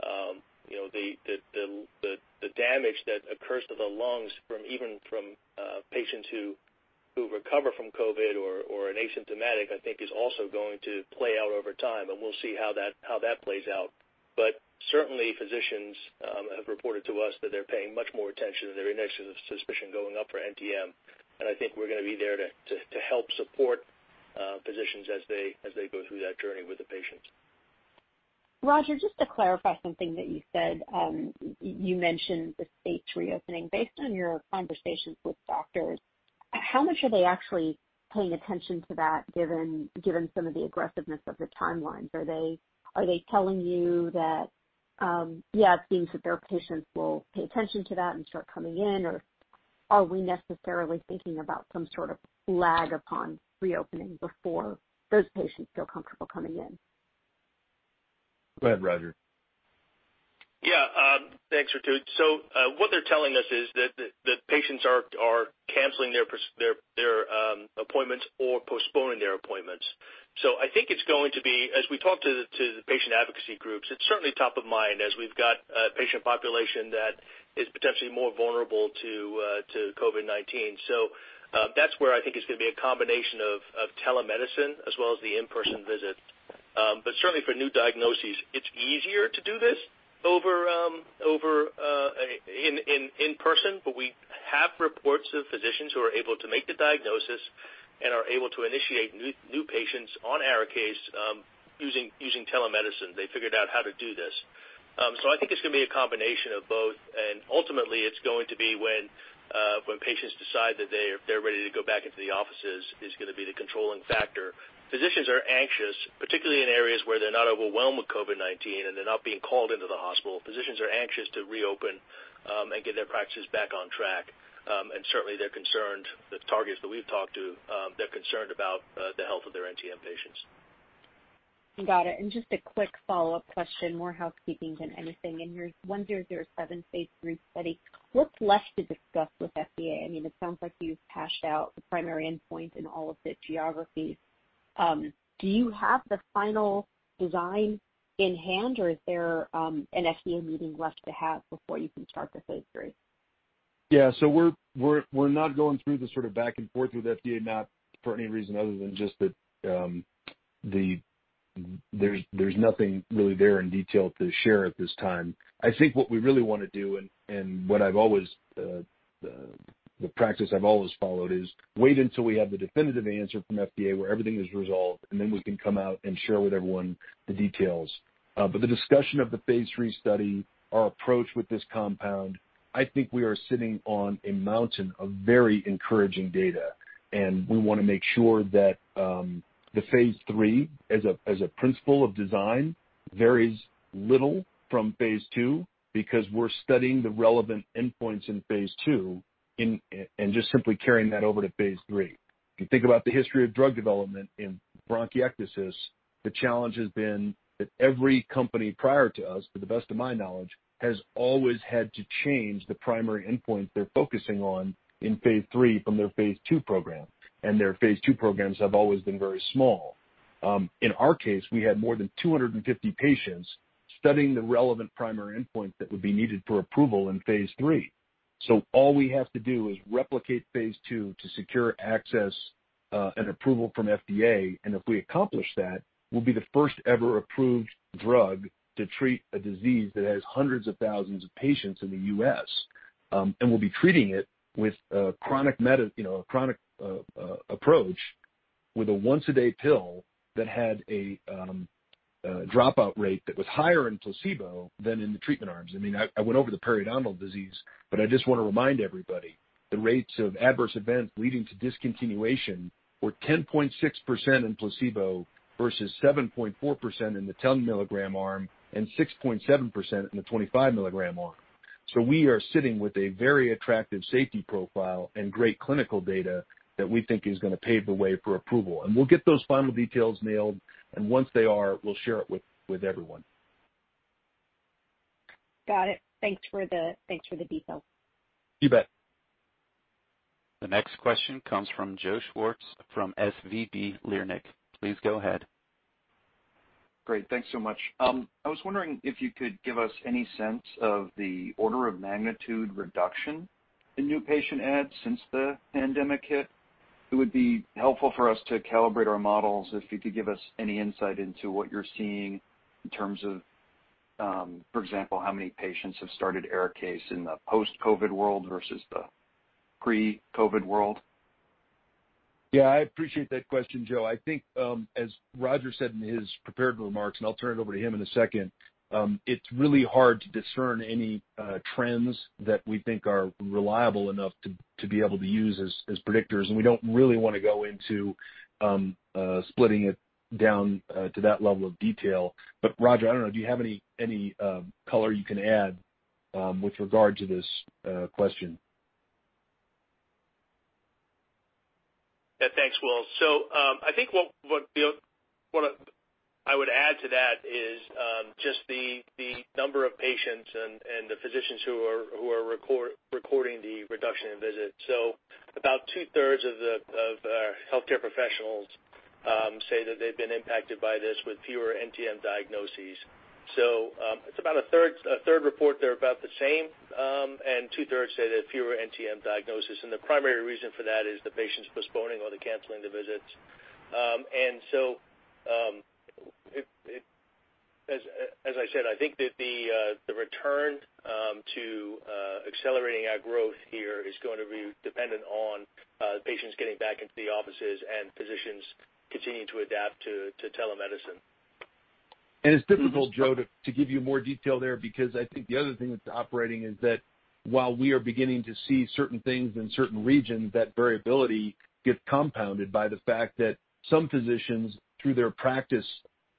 the damage that occurs to the lungs even from patients who recover from COVID-19 or are asymptomatic, I think is also going to play out over time, and we'll see how that plays out. Certainly, physicians have reported to us that they're paying much more attention, and their index of suspicion going up for NTM, and I think we're going to be there to help support physicians as they go through that journey with the patients. Roger, just to clarify something that you said. You mentioned the states reopening. Based on your conversations with doctors, how much are they actually paying attention to that, given some of the aggressiveness of the timelines? Are they telling you that, yeah, it seems that their patients will pay attention to that and start coming in, or are we necessarily thinking about some sort of lag upon reopening before those patients feel comfortable coming in? Go ahead, Roger. Thanks, Ritu. What they're telling us is that the patients are canceling their appointments or postponing their appointments. I think it's going to be, as we talk to the patient advocacy groups, it's certainly top of mind as we've got a patient population that is potentially more vulnerable to COVID-19. That's where I think it's going to be a combination of telemedicine as well as the in-person visit. Certainly for new diagnoses, it's easier to do this in person, but we have reports of physicians who are able to make the diagnosis and are able to initiate new patients on ARIKAYCE using telemedicine. They figured out how to do this. I think it's going to be a combination of both, and ultimately it's going to be when patients decide that they're ready to go back into the offices is going to be the controlling factor. Physicians are anxious, particularly in areas where they're not overwhelmed with COVID-19 and they're not being called into the hospital. Physicians are anxious to reopen and get their practices back on track. Certainly they're concerned, the targets that we've talked to, they're concerned about the health of their NTM patients. Got it. Just a quick follow-up question, more housekeeping than anything. In your 1007 phase III study, what's left to discuss with FDA? It sounds like you've hashed out the primary endpoint in all of the geographies. Do you have the final design in hand, or is there an FDA meeting left to have before you can start the phase III? We're not going through the sort of back and forth with FDA, not for any reason other than just that there's nothing really there in detail to share at this time. I think what we really want to do and the practice I've always followed is wait until we have the definitive answer from FDA where everything is resolved, and then we can come out and share with everyone the details. The discussion of the phase III study, our approach with this compound, I think we are sitting on a mountain of very encouraging data, and we want to make sure that the phase III, as a principle of design, varies little from phase II because we're studying the relevant endpoints in phase II and just simply carrying that over to phase III. If you think about the history of drug development in bronchiectasis, the challenge has been that every company prior to us, to the best of my knowledge, has always had to change the primary endpoint they're focusing on in phase III from their phase II program. Their phase II programs have always been very small. In our case, we had more than 250 patients studying the relevant primary endpoint that would be needed for approval in phase III. All we have to do is replicate phase II to secure access and approval from FDA. If we accomplish that, we'll be the first-ever approved drug to treat a disease that has hundreds of thousands of patients in the U.S., and we'll be treating it with a chronic approach with a once-a-day pill that had a dropout rate that was higher in placebo than in the treatment arms. I went over the periodontal disease. I just want to remind everybody the rates of adverse events leading to discontinuation were 10.6% in placebo versus 7.4% in the 10-milligram arm and 6.7% in the 25-milligram arm. We are sitting with a very attractive safety profile and great clinical data that we think is going to pave the way for approval. We'll get those final details nailed, and once they are, we'll share it with everyone. Got it. Thanks for the details. You bet. The next question comes from Joseph Schwartz from SVB Leerink. Please go ahead. Great. Thanks so much. I was wondering if you could give us any sense of the order of magnitude reduction in new patient adds since the pandemic hit. It would be helpful for us to calibrate our models if you could give us any insight into what you're seeing in terms of, for example, how many patients have started ARIKAYCE in the post-COVID world versus the pre-COVID world. Yeah, I appreciate that question, Joe. I think, as Roger said in his prepared remarks, and I'll turn it over to him in a second, it's really hard to discern any trends that we think are reliable enough to be able to use as predictors. We don't really want to go into splitting it down to that level of detail. Roger, I don't know, do you have any color you can add with regard to this question? Yeah. Thanks, Will. I think what I would add to that is just the number of patients and the physicians who are recording the reduction in visits. About two-thirds of our healthcare professionals say that they've been impacted by this with fewer NTM diagnoses. It's about a third report they're about the same, and two-thirds say they have fewer NTM diagnoses. The primary reason for that is the patients postponing or the canceling the visits. As I said, I think that the return to accelerating our growth here is going to be dependent on patients getting back into the offices and physicians continuing to adapt to telemedicine. It's difficult, Joe, to give you more detail there, because I think the other thing that's operating is that while we are beginning to see certain things in certain regions, that variability gets compounded by the fact that some physicians, through their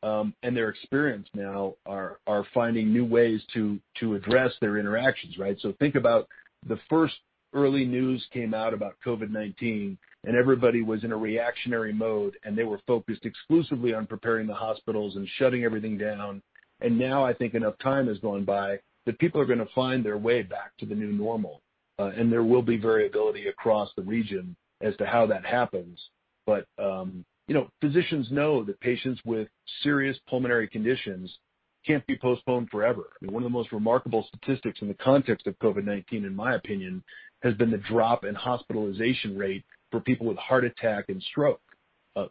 practice and their experience now are finding new ways to address their interactions, right? Think about the first early news came out about COVID-19 and everybody was in a reactionary mode, and they were focused exclusively on preparing the hospitals and shutting everything down. Now I think enough time has gone by that people are going to find their way back to the new normal. There will be variability across the region as to how that happens. Physicians know that patients with serious pulmonary conditions can't be postponed forever. I mean, one of the most remarkable statistics in the context of COVID-19, in my opinion, has been the drop in hospitalization rate for people with heart attack and stroke.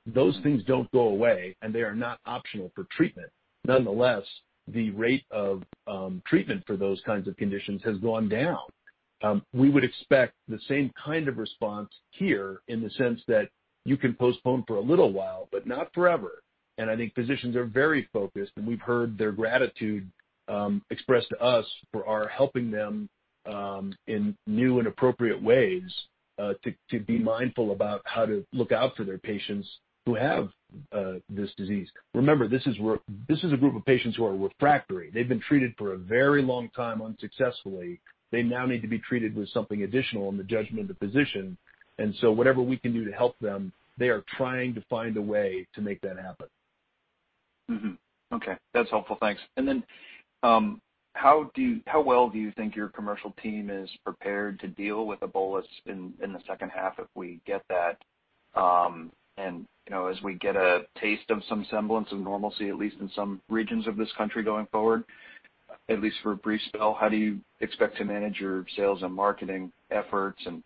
Those things don't go away, and they are not optional for treatment. Nonetheless, the rate of treatment for those kinds of conditions has gone down. We would expect the same kind of response here in the sense that you can postpone for a little while, but not forever. I think physicians are very focused, and we've heard their gratitude expressed to us for our helping them in new and appropriate ways to be mindful about how to look out for their patients who have this disease. Remember, this is a group of patients who are refractory. They've been treated for a very long time unsuccessfully. They now need to be treated with something additional in the judgment of the physician. Whatever we can do to help them, they are trying to find a way to make that happen. Okay. That's helpful. Thanks. How well do you think your commercial team is prepared to deal with a bolus in the second half if we get that? As we get a taste of some semblance of normalcy, at least in some regions of this country going forward, at least for a brief spell, how do you expect to manage your sales and marketing efforts, and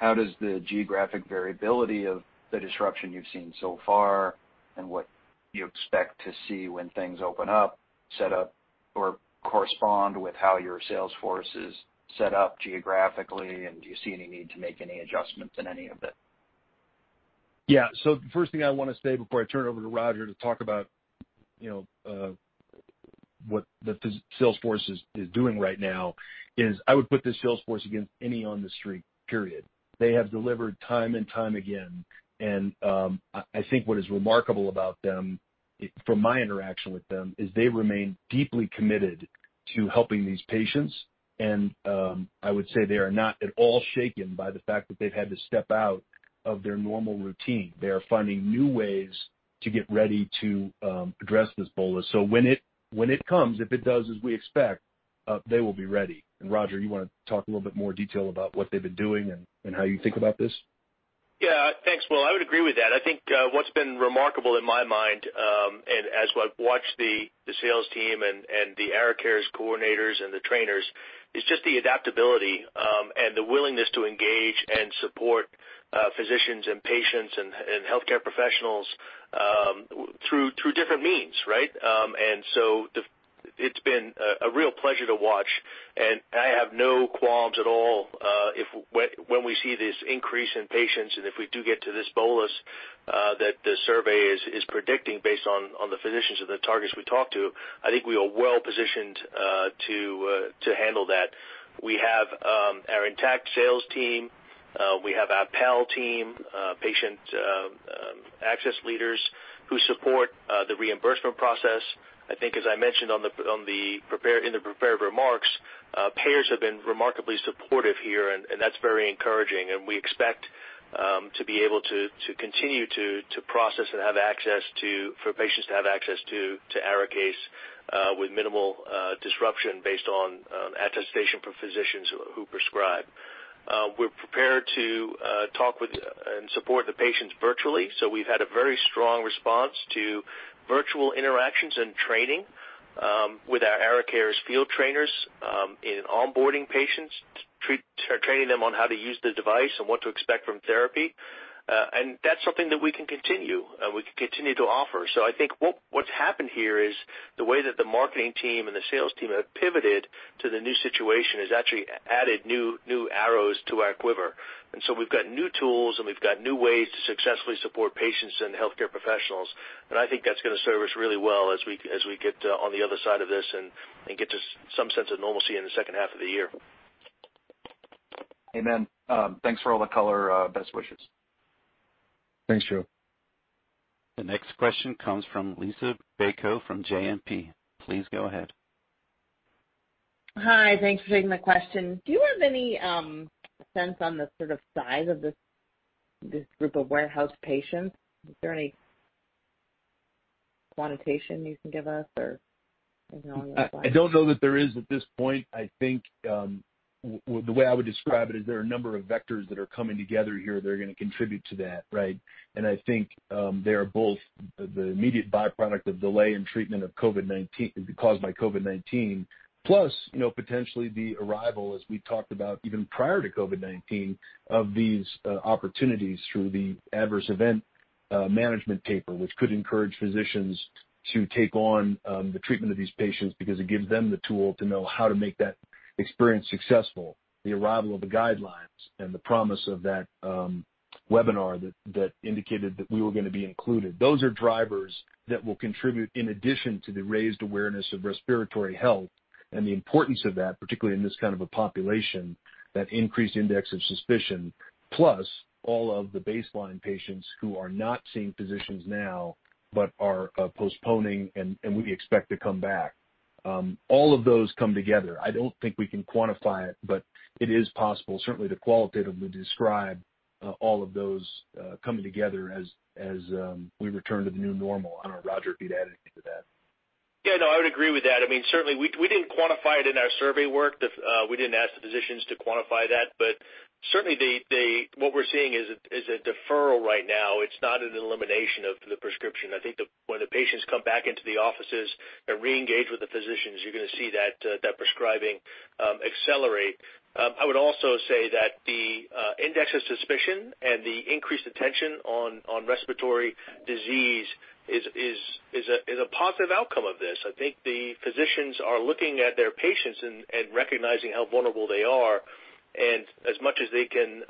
how does the geographic variability of the disruption you've seen so far and what you expect to see when things open up, set up or correspond with how your sales force is set up geographically, and do you see any need to make any adjustments in any of it? Yeah. The first thing I want to say before I turn it over to Roger to talk about what the sales force is doing right now is I would put this sales force against any on the street, period. They have delivered time and time again. I think what is remarkable about them, from my interaction with them, is they remain deeply committed to helping these patients. I would say they are not at all shaken by the fact that they've had to step out of their normal routine. They are finding new ways to get ready to address this bolus. When it comes, if it does as we expect, they will be ready. Roger, you want to talk a little bit more detail about what they've been doing and how you think about this? Yeah. Thanks, Will. I would agree with that. I think what's been remarkable in my mind, and as I've watched the sales team and the ARIKAYCE coordinators and the trainers, is just the adaptability and the willingness to engage and support physicians and patients and healthcare professionals through different means, right? It's been a real pleasure to watch, and I have no qualms at all if when we see this increase in patients, and if we do get to this bolus that the survey is predicting based on the physicians or the targets we talk to, I think we are well-positioned to handle that. We have our intact sales team. We have our PAL team, patient access leaders, who support the reimbursement process. I think as I mentioned in the prepared remarks, payers have been remarkably supportive here, and that's very encouraging. We expect to be able to continue to process and have access to, for patients to have access to ARIKAYCE with minimal disruption based on attestation from physicians who prescribe. We're prepared to talk with and support the patients virtually. We've had a very strong response to virtual interactions and training with our Arikares field trainers in onboarding patients, training them on how to use the device and what to expect from therapy. That's something that we can continue and we can continue to offer. I think what's happened here is the way that the marketing team and the sales team have pivoted to the new situation has actually added new arrows to our quiver. We've got new tools and we've got new ways to successfully support patients and healthcare professionals. I think that's going to serve us really well as we get on the other side of this and get to some sense of normalcy in the second half of the year. Amen. Thanks for all the color. Best wishes. Thanks, Joe. The next question comes from Liisa Bayko from JMP. Please go ahead. Hi. Thanks for taking the question. Do you have any sense on the sort of size of this group of warehouse patients? Is there any quantitation you can give us, or is it all in the slides? I don't know that there is at this point. I think, the way I would describe it is there are a number of vectors that are coming together here that are going to contribute to that, right? I think they are both the immediate byproduct of delay in treatment caused by COVID-19. Plus, potentially the arrival, as we talked about even prior to COVID-19, of these opportunities through the adverse event management paper, which could encourage physicians to take on the treatment of these patients because it gives them the tool to know how to make that experience successful. The arrival of the guidelines and the promise of that webinar that indicated that we were going to be included. Those are drivers that will contribute in addition to the raised awareness of respiratory health and the importance of that, particularly in this kind of a population, that increased index of suspicion, plus all of the baseline patients who are not seeing physicians now, but are postponing and we expect to come back. All of those come together. I don't think we can quantify it, but it is possible certainly to qualitatively describe all of those coming together as we return to the new normal. I don't know, Roger, if you'd add anything to that. No, I would agree with that. Certainly we didn't quantify it in our survey work. We didn't ask the physicians to quantify that. Certainly what we're seeing is a deferral right now. It's not an elimination of the prescription. I think when the patients come back into the offices and reengage with the physicians, you're going to see that prescribing accelerate. I would also say that the index of suspicion and the increased attention on respiratory disease is a positive outcome of this. I think the physicians are looking at their patients and recognizing how vulnerable they are. As much as they can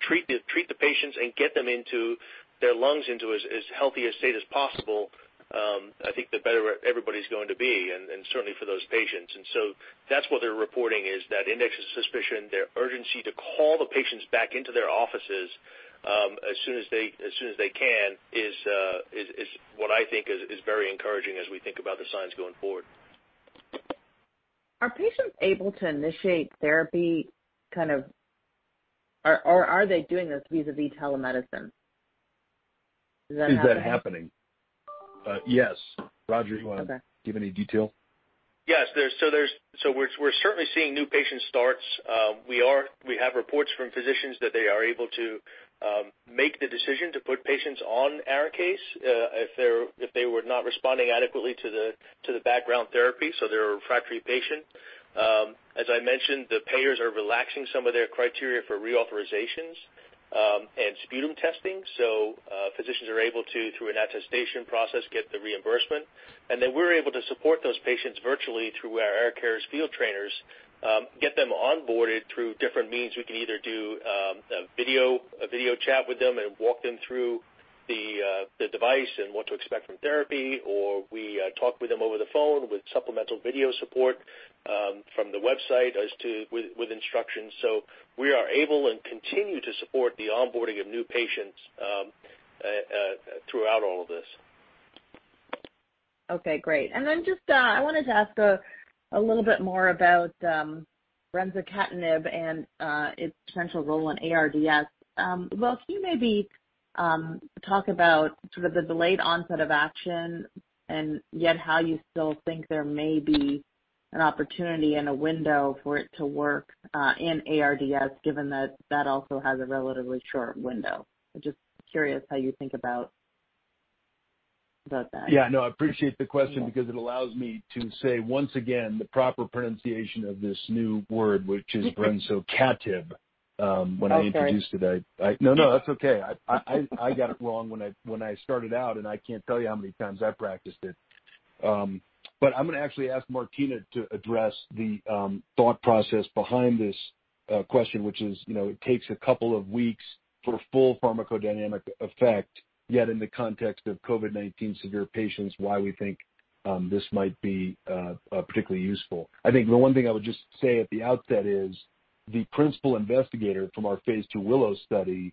treat the patients and get their lungs into as healthy a state as possible, I think the better everybody's going to be, and certainly for those patients. That's what they're reporting is that index of suspicion, their urgency to call the patients back into their offices as soon as they can is what I think is very encouraging as we think about the signs going forward. Are patients able to initiate therapy, or are they doing this vis-a-vis telemedicine? Does that happen? Is that happening? Yes. Roger, do you want to- Okay. give any detail? Yes. We're certainly seeing new patient starts. We have reports from physicians that they are able to make the decision to put patients on ARIKAYCE, if they were not responding adequately to the background therapy, so they're a refractory patient. As I mentioned, the payers are relaxing some of their criteria for reauthorizations and sputum testing. Physicians are able to, through an attestation process, get the reimbursement. We're able to support those patients virtually through our ARIKAYCE field trainers, get them onboarded through different means. We can either do a video chat with them and walk them through the device and what to expect from therapy, or we talk with them over the phone with supplemental video support from the website with instructions. We are able and continue to support the onboarding of new patients throughout all of this. Okay, great. Just I wanted to ask a little bit more about brensocatib and its potential role in ARDS. Will, can you maybe talk about sort of the delayed onset of action and yet how you still think there may be an opportunity and a window for it to work in ARDS, given that that also has a relatively short window? I'm just curious how you think about that. Yeah, no, I appreciate the question because it allows me to say, once again, the proper pronunciation of this new word, which is brensocatib. Okay. When I introduced it, No, that's okay. I got it wrong when I started out, I can't tell you how many times I practiced it. I'm going to actually ask Martina to address the thought process behind this question, which is it takes a couple of weeks for full pharmacodynamic effect, yet in the context of COVID-19 severe patients, why we think this might be particularly useful. I think the one thing I would just say at the outset is the principal investigator from our Phase II WILLOW study,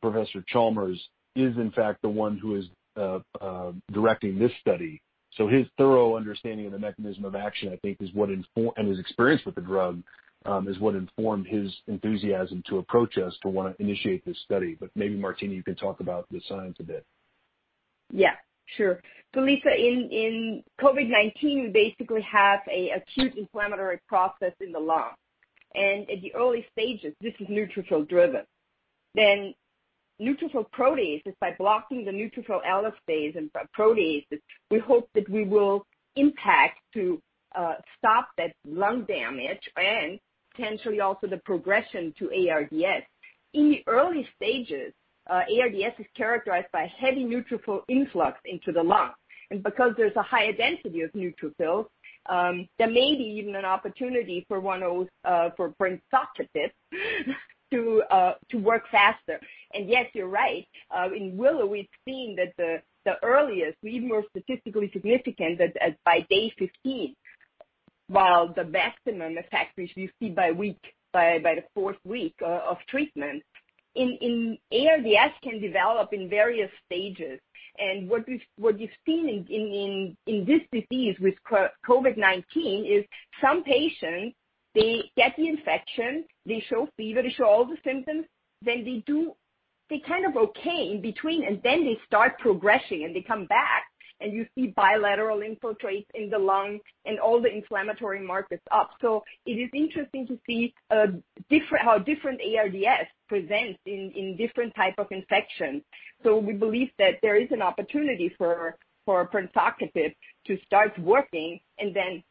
Professor Chalmers, is in fact the one who is directing this study. His thorough understanding of the mechanism of action, I think, and his experience with the drug is what informed his enthusiasm to approach us to want to initiate this study. Maybe Martina, you can talk about the science a bit. Yeah, sure. Liisa, in COVID-19, we basically have a acute inflammatory process in the lung. At the early stages, this is neutrophil driven. Neutrophil proteases, by blocking the neutrophil elastase and proteases, we hope that we will impact to stop that lung damage and potentially also the progression to ARDS. In the early stages, ARDS is characterized by heavy neutrophil influx into the lung. Because there's a higher density of neutrophils, there may be even an opportunity for pirfenidone to work faster. Yes, you're right. In WILLOW, we've seen that the earliest, we're even more statistically significant at by day 15, while the maximum effect, which we see by the fourth week of treatment. ARDS can develop in various stages. What we've seen in this disease with COVID-19 is some patients, they get the infection, they show fever, they show all the symptoms, then they kind of okay in between, and then they start progressing, and they come back, and you see bilateral infiltrates in the lung and all the inflammatory markers up. It is interesting to see how different ARDS presents in different type of infections. We believe that there is an opportunity for pirfenidone to start working and then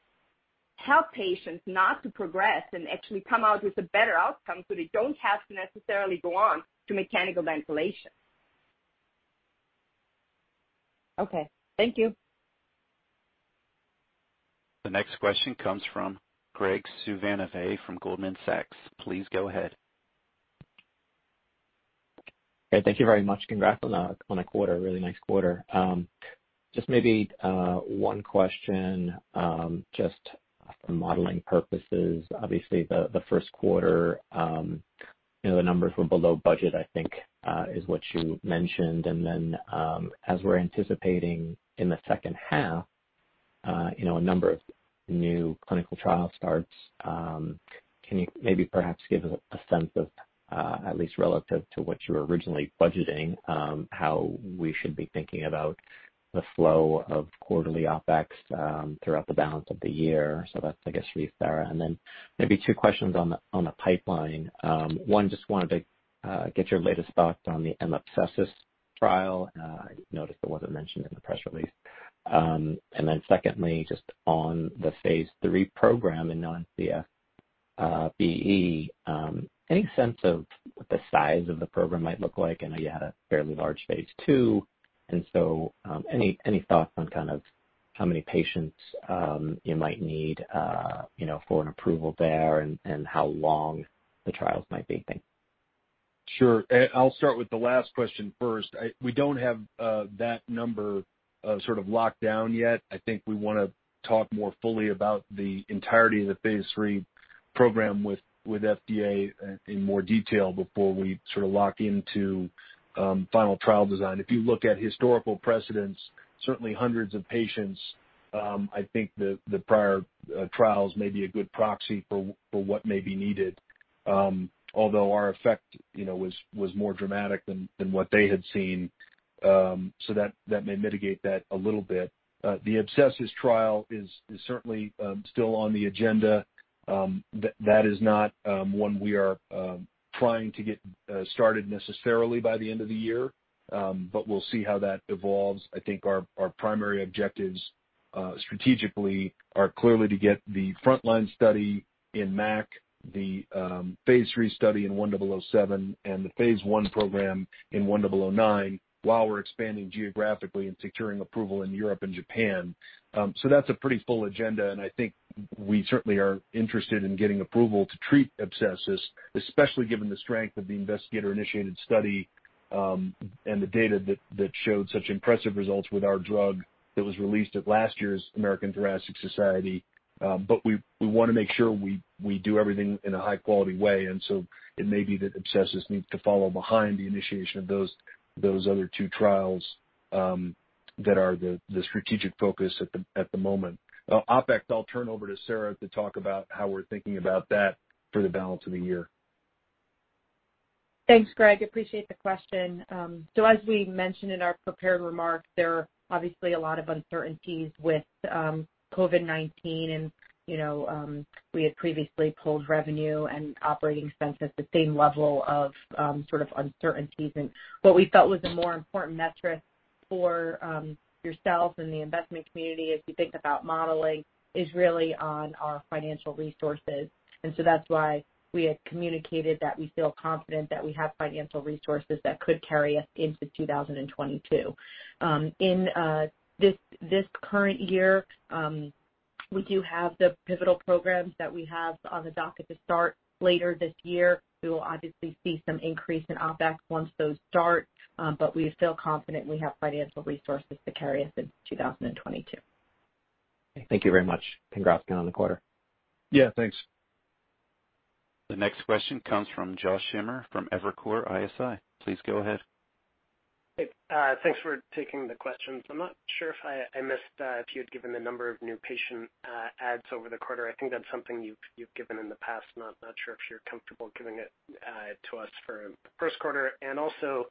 help patients not to progress and actually come out with a better outcome, so they don't have to necessarily go on to mechanical ventilation. Okay. Thank you. The next question comes from Graig Suvannavejh from Goldman Sachs. Please go ahead. Great, thank you very much. Congrats on a quarter, a really nice quarter. Just maybe one question, just for modeling purposes. Obviously, the first quarter, the numbers were below budget, I think is what you mentioned. As we're anticipating in the second half, a number of new clinical trial starts. Can you maybe perhaps give a sense of, at least relative to what you were originally budgeting how we should be thinking about the flow of quarterly OpEx throughout the balance of the year? That's, I guess, for you, Sara. Maybe two questions on the pipeline. One, just wanted to get your latest thoughts on the Mycobacterium abscessus trial. I noticed it wasn't mentioned in the press release. Secondly, just on the phase III program in non-CF BE, any sense of what the size of the program might look like? I know you had a fairly large phase II. Any thoughts on kind of how many patients you might need for an approval there and how long the trials might be? Thanks. Sure. I'll start with the last question first. We don't have that number sort of locked down yet. I think we want to talk more fully about the entirety of the phase III program with FDA in more detail before we sort of lock into final trial design. If you look at historical precedents, certainly hundreds of patients, I think the prior trials may be a good proxy for what may be needed, although our effect was more dramatic than what they had seen. That may mitigate that a little bit. The abscessus trial is certainly still on the agenda. That is not one we are trying to get started necessarily by the end of the year, but we'll see how that evolves. I think our primary objectives strategically are clearly to get the frontline study in MAC, the phase III study in 1007, and the phase I program in 1009 while we're expanding geographically and securing approval in Europe and Japan. That's a pretty full agenda, and I think we certainly are interested in getting approval to treat abscessus, especially given the strength of the investigator-initiated study, and the data that showed such impressive results with our drug that was released at last year's American Thoracic Society. We want to make sure we do everything in a high-quality way, and so it may be that abscessus needs to follow behind the initiation of those other two trials that are the strategic focus at the moment. OpEx, I'll turn over to Sara to talk about how we're thinking about that for the balance of the year. Thanks, Graig. Appreciate the question. As we mentioned in our prepared remarks, there are obviously a lot of uncertainties with COVID-19, and we had previously pulled revenue and operating expense at the same level of sort of uncertainties. What we felt was a more important metric for yourselves and the investment community as we think about modeling is really on our financial resources. That's why we had communicated that we feel confident that we have financial resources that could carry us into 2022. In this current year, we do have the pivotal programs that we have on the docket to start later this year. We will obviously see some increase in OpEx once those start. We feel confident we have financial resources to carry us into 2022. Thank you very much. Congrats again on the quarter. Yeah, thanks. The next question comes from Joshua Schimmer from Evercore ISI. Please go ahead. Hey, thanks for taking the questions. I'm not sure if I missed if you had given the number of new patient adds over the quarter. I think that's something you've given in the past. Not sure if you're comfortable giving it to us for first quarter. Also,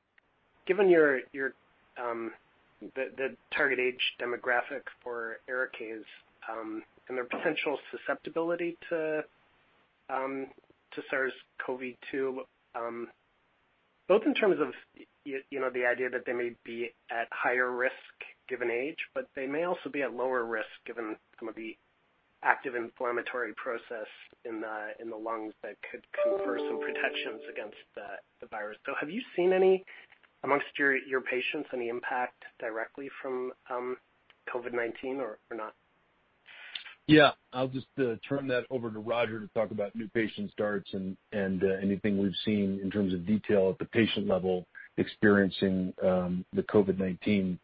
given the target age demographic for ARIKAYCE and their potential susceptibility to SARS-CoV-2, both in terms of the idea that they may be at higher risk given age, but they may also be at lower risk given some of the active inflammatory process in the lungs that could confer some protections against the virus. Have you seen amongst your patients any impact directly from COVID-19 or not? Yeah, I'll just turn that over to Roger to talk about new patient starts and anything we've seen in terms of detail at the patient level experiencing the COVID-19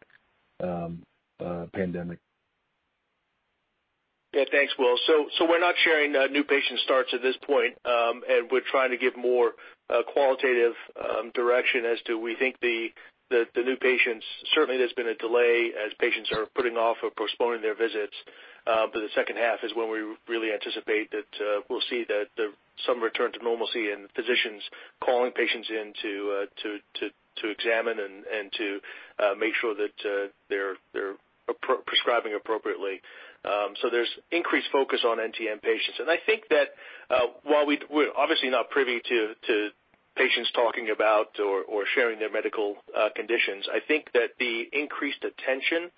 pandemic. Yeah. Thanks, Will. We're not sharing new patient starts at this point. We're trying to give more qualitative direction as to we think the new patients, certainly there's been a delay as patients are putting off or postponing their visits. The second half is when we really anticipate that we'll see some return to normalcy and physicians calling patients in to examine and to make sure that they're prescribing appropriately. There's increased focus on NTM patients. I think that while we're obviously not privy to patients talking about or sharing their medical conditions, I think that the increased attention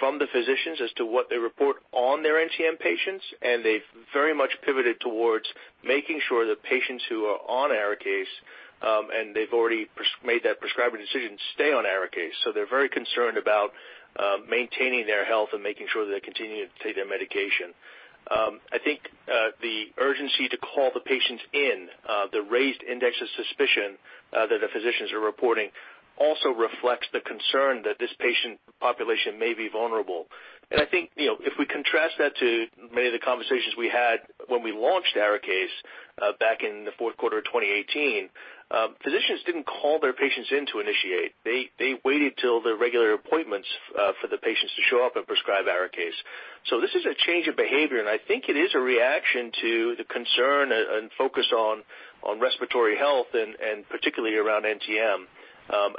from the physicians as to what they report on their NTM patients, and they've very much pivoted towards making sure that patients who are on ARIKAYCE, and they've already made that prescriber decision, stay on ARIKAYCE. They're very concerned about maintaining their health and making sure they continue to take their medication. I think, the urgency to call the patients in, the raised index of suspicion that the physicians are reporting also reflects the concern that this patient population may be vulnerable. I think, if we contrast that to many of the conversations we had when we launched ARIKAYCE back in the fourth quarter of 2018, physicians didn't call their patients in to initiate. They waited till their regular appointments for the patients to show up and prescribe ARIKAYCE. This is a change of behavior, and I think it is a reaction to the concern and focus on respiratory health, and particularly around NTM.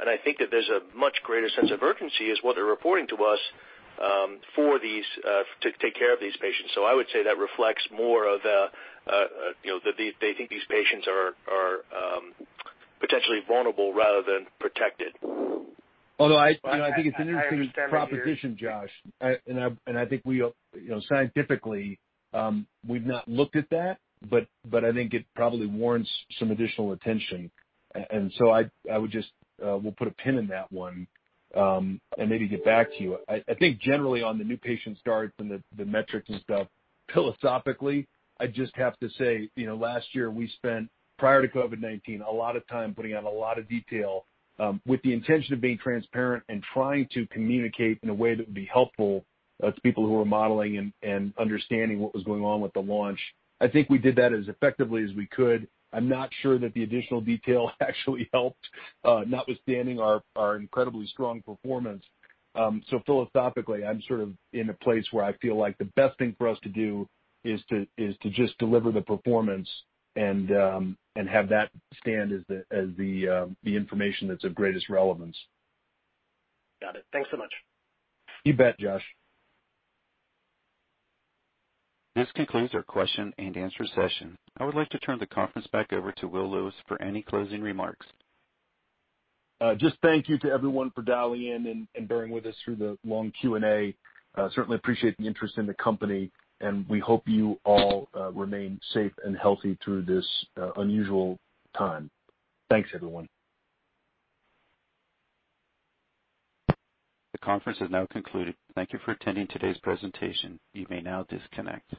I think that there's a much greater sense of urgency is what they're reporting to us to take care of these patients. I would say that reflects more of they think these patients are potentially vulnerable rather than protected. Although I think it's an interesting proposition, Josh. I think scientifically, we've not looked at that, but I think it probably warrants some additional attention. We'll put a pin in that one, and maybe get back to you. I think generally on the new patient starts and the metrics and stuff, philosophically, I just have to say, last year we spent, prior to COVID-19, a lot of time putting out a lot of detail, with the intention of being transparent and trying to communicate in a way that would be helpful to people who were modeling and understanding what was going on with the launch. I think we did that as effectively as we could. I'm not sure that the additional detail actually helped, notwithstanding our incredibly strong performance. Philosophically, I'm in a place where I feel like the best thing for us to do is to just deliver the performance and have that stand as the information that's of greatest relevance. Got it. Thanks so much. You bet, Josh. This concludes our question and answer session. I would like to turn the conference back over to Will Lewis for any closing remarks. Just thank you to everyone for dialing in and bearing with us through the long Q&A. We certainly appreciate the interest in the company. We hope you all remain safe and healthy through this unusual time. Thanks, everyone. The conference has now concluded. Thank you for attending today's presentation. You may now disconnect.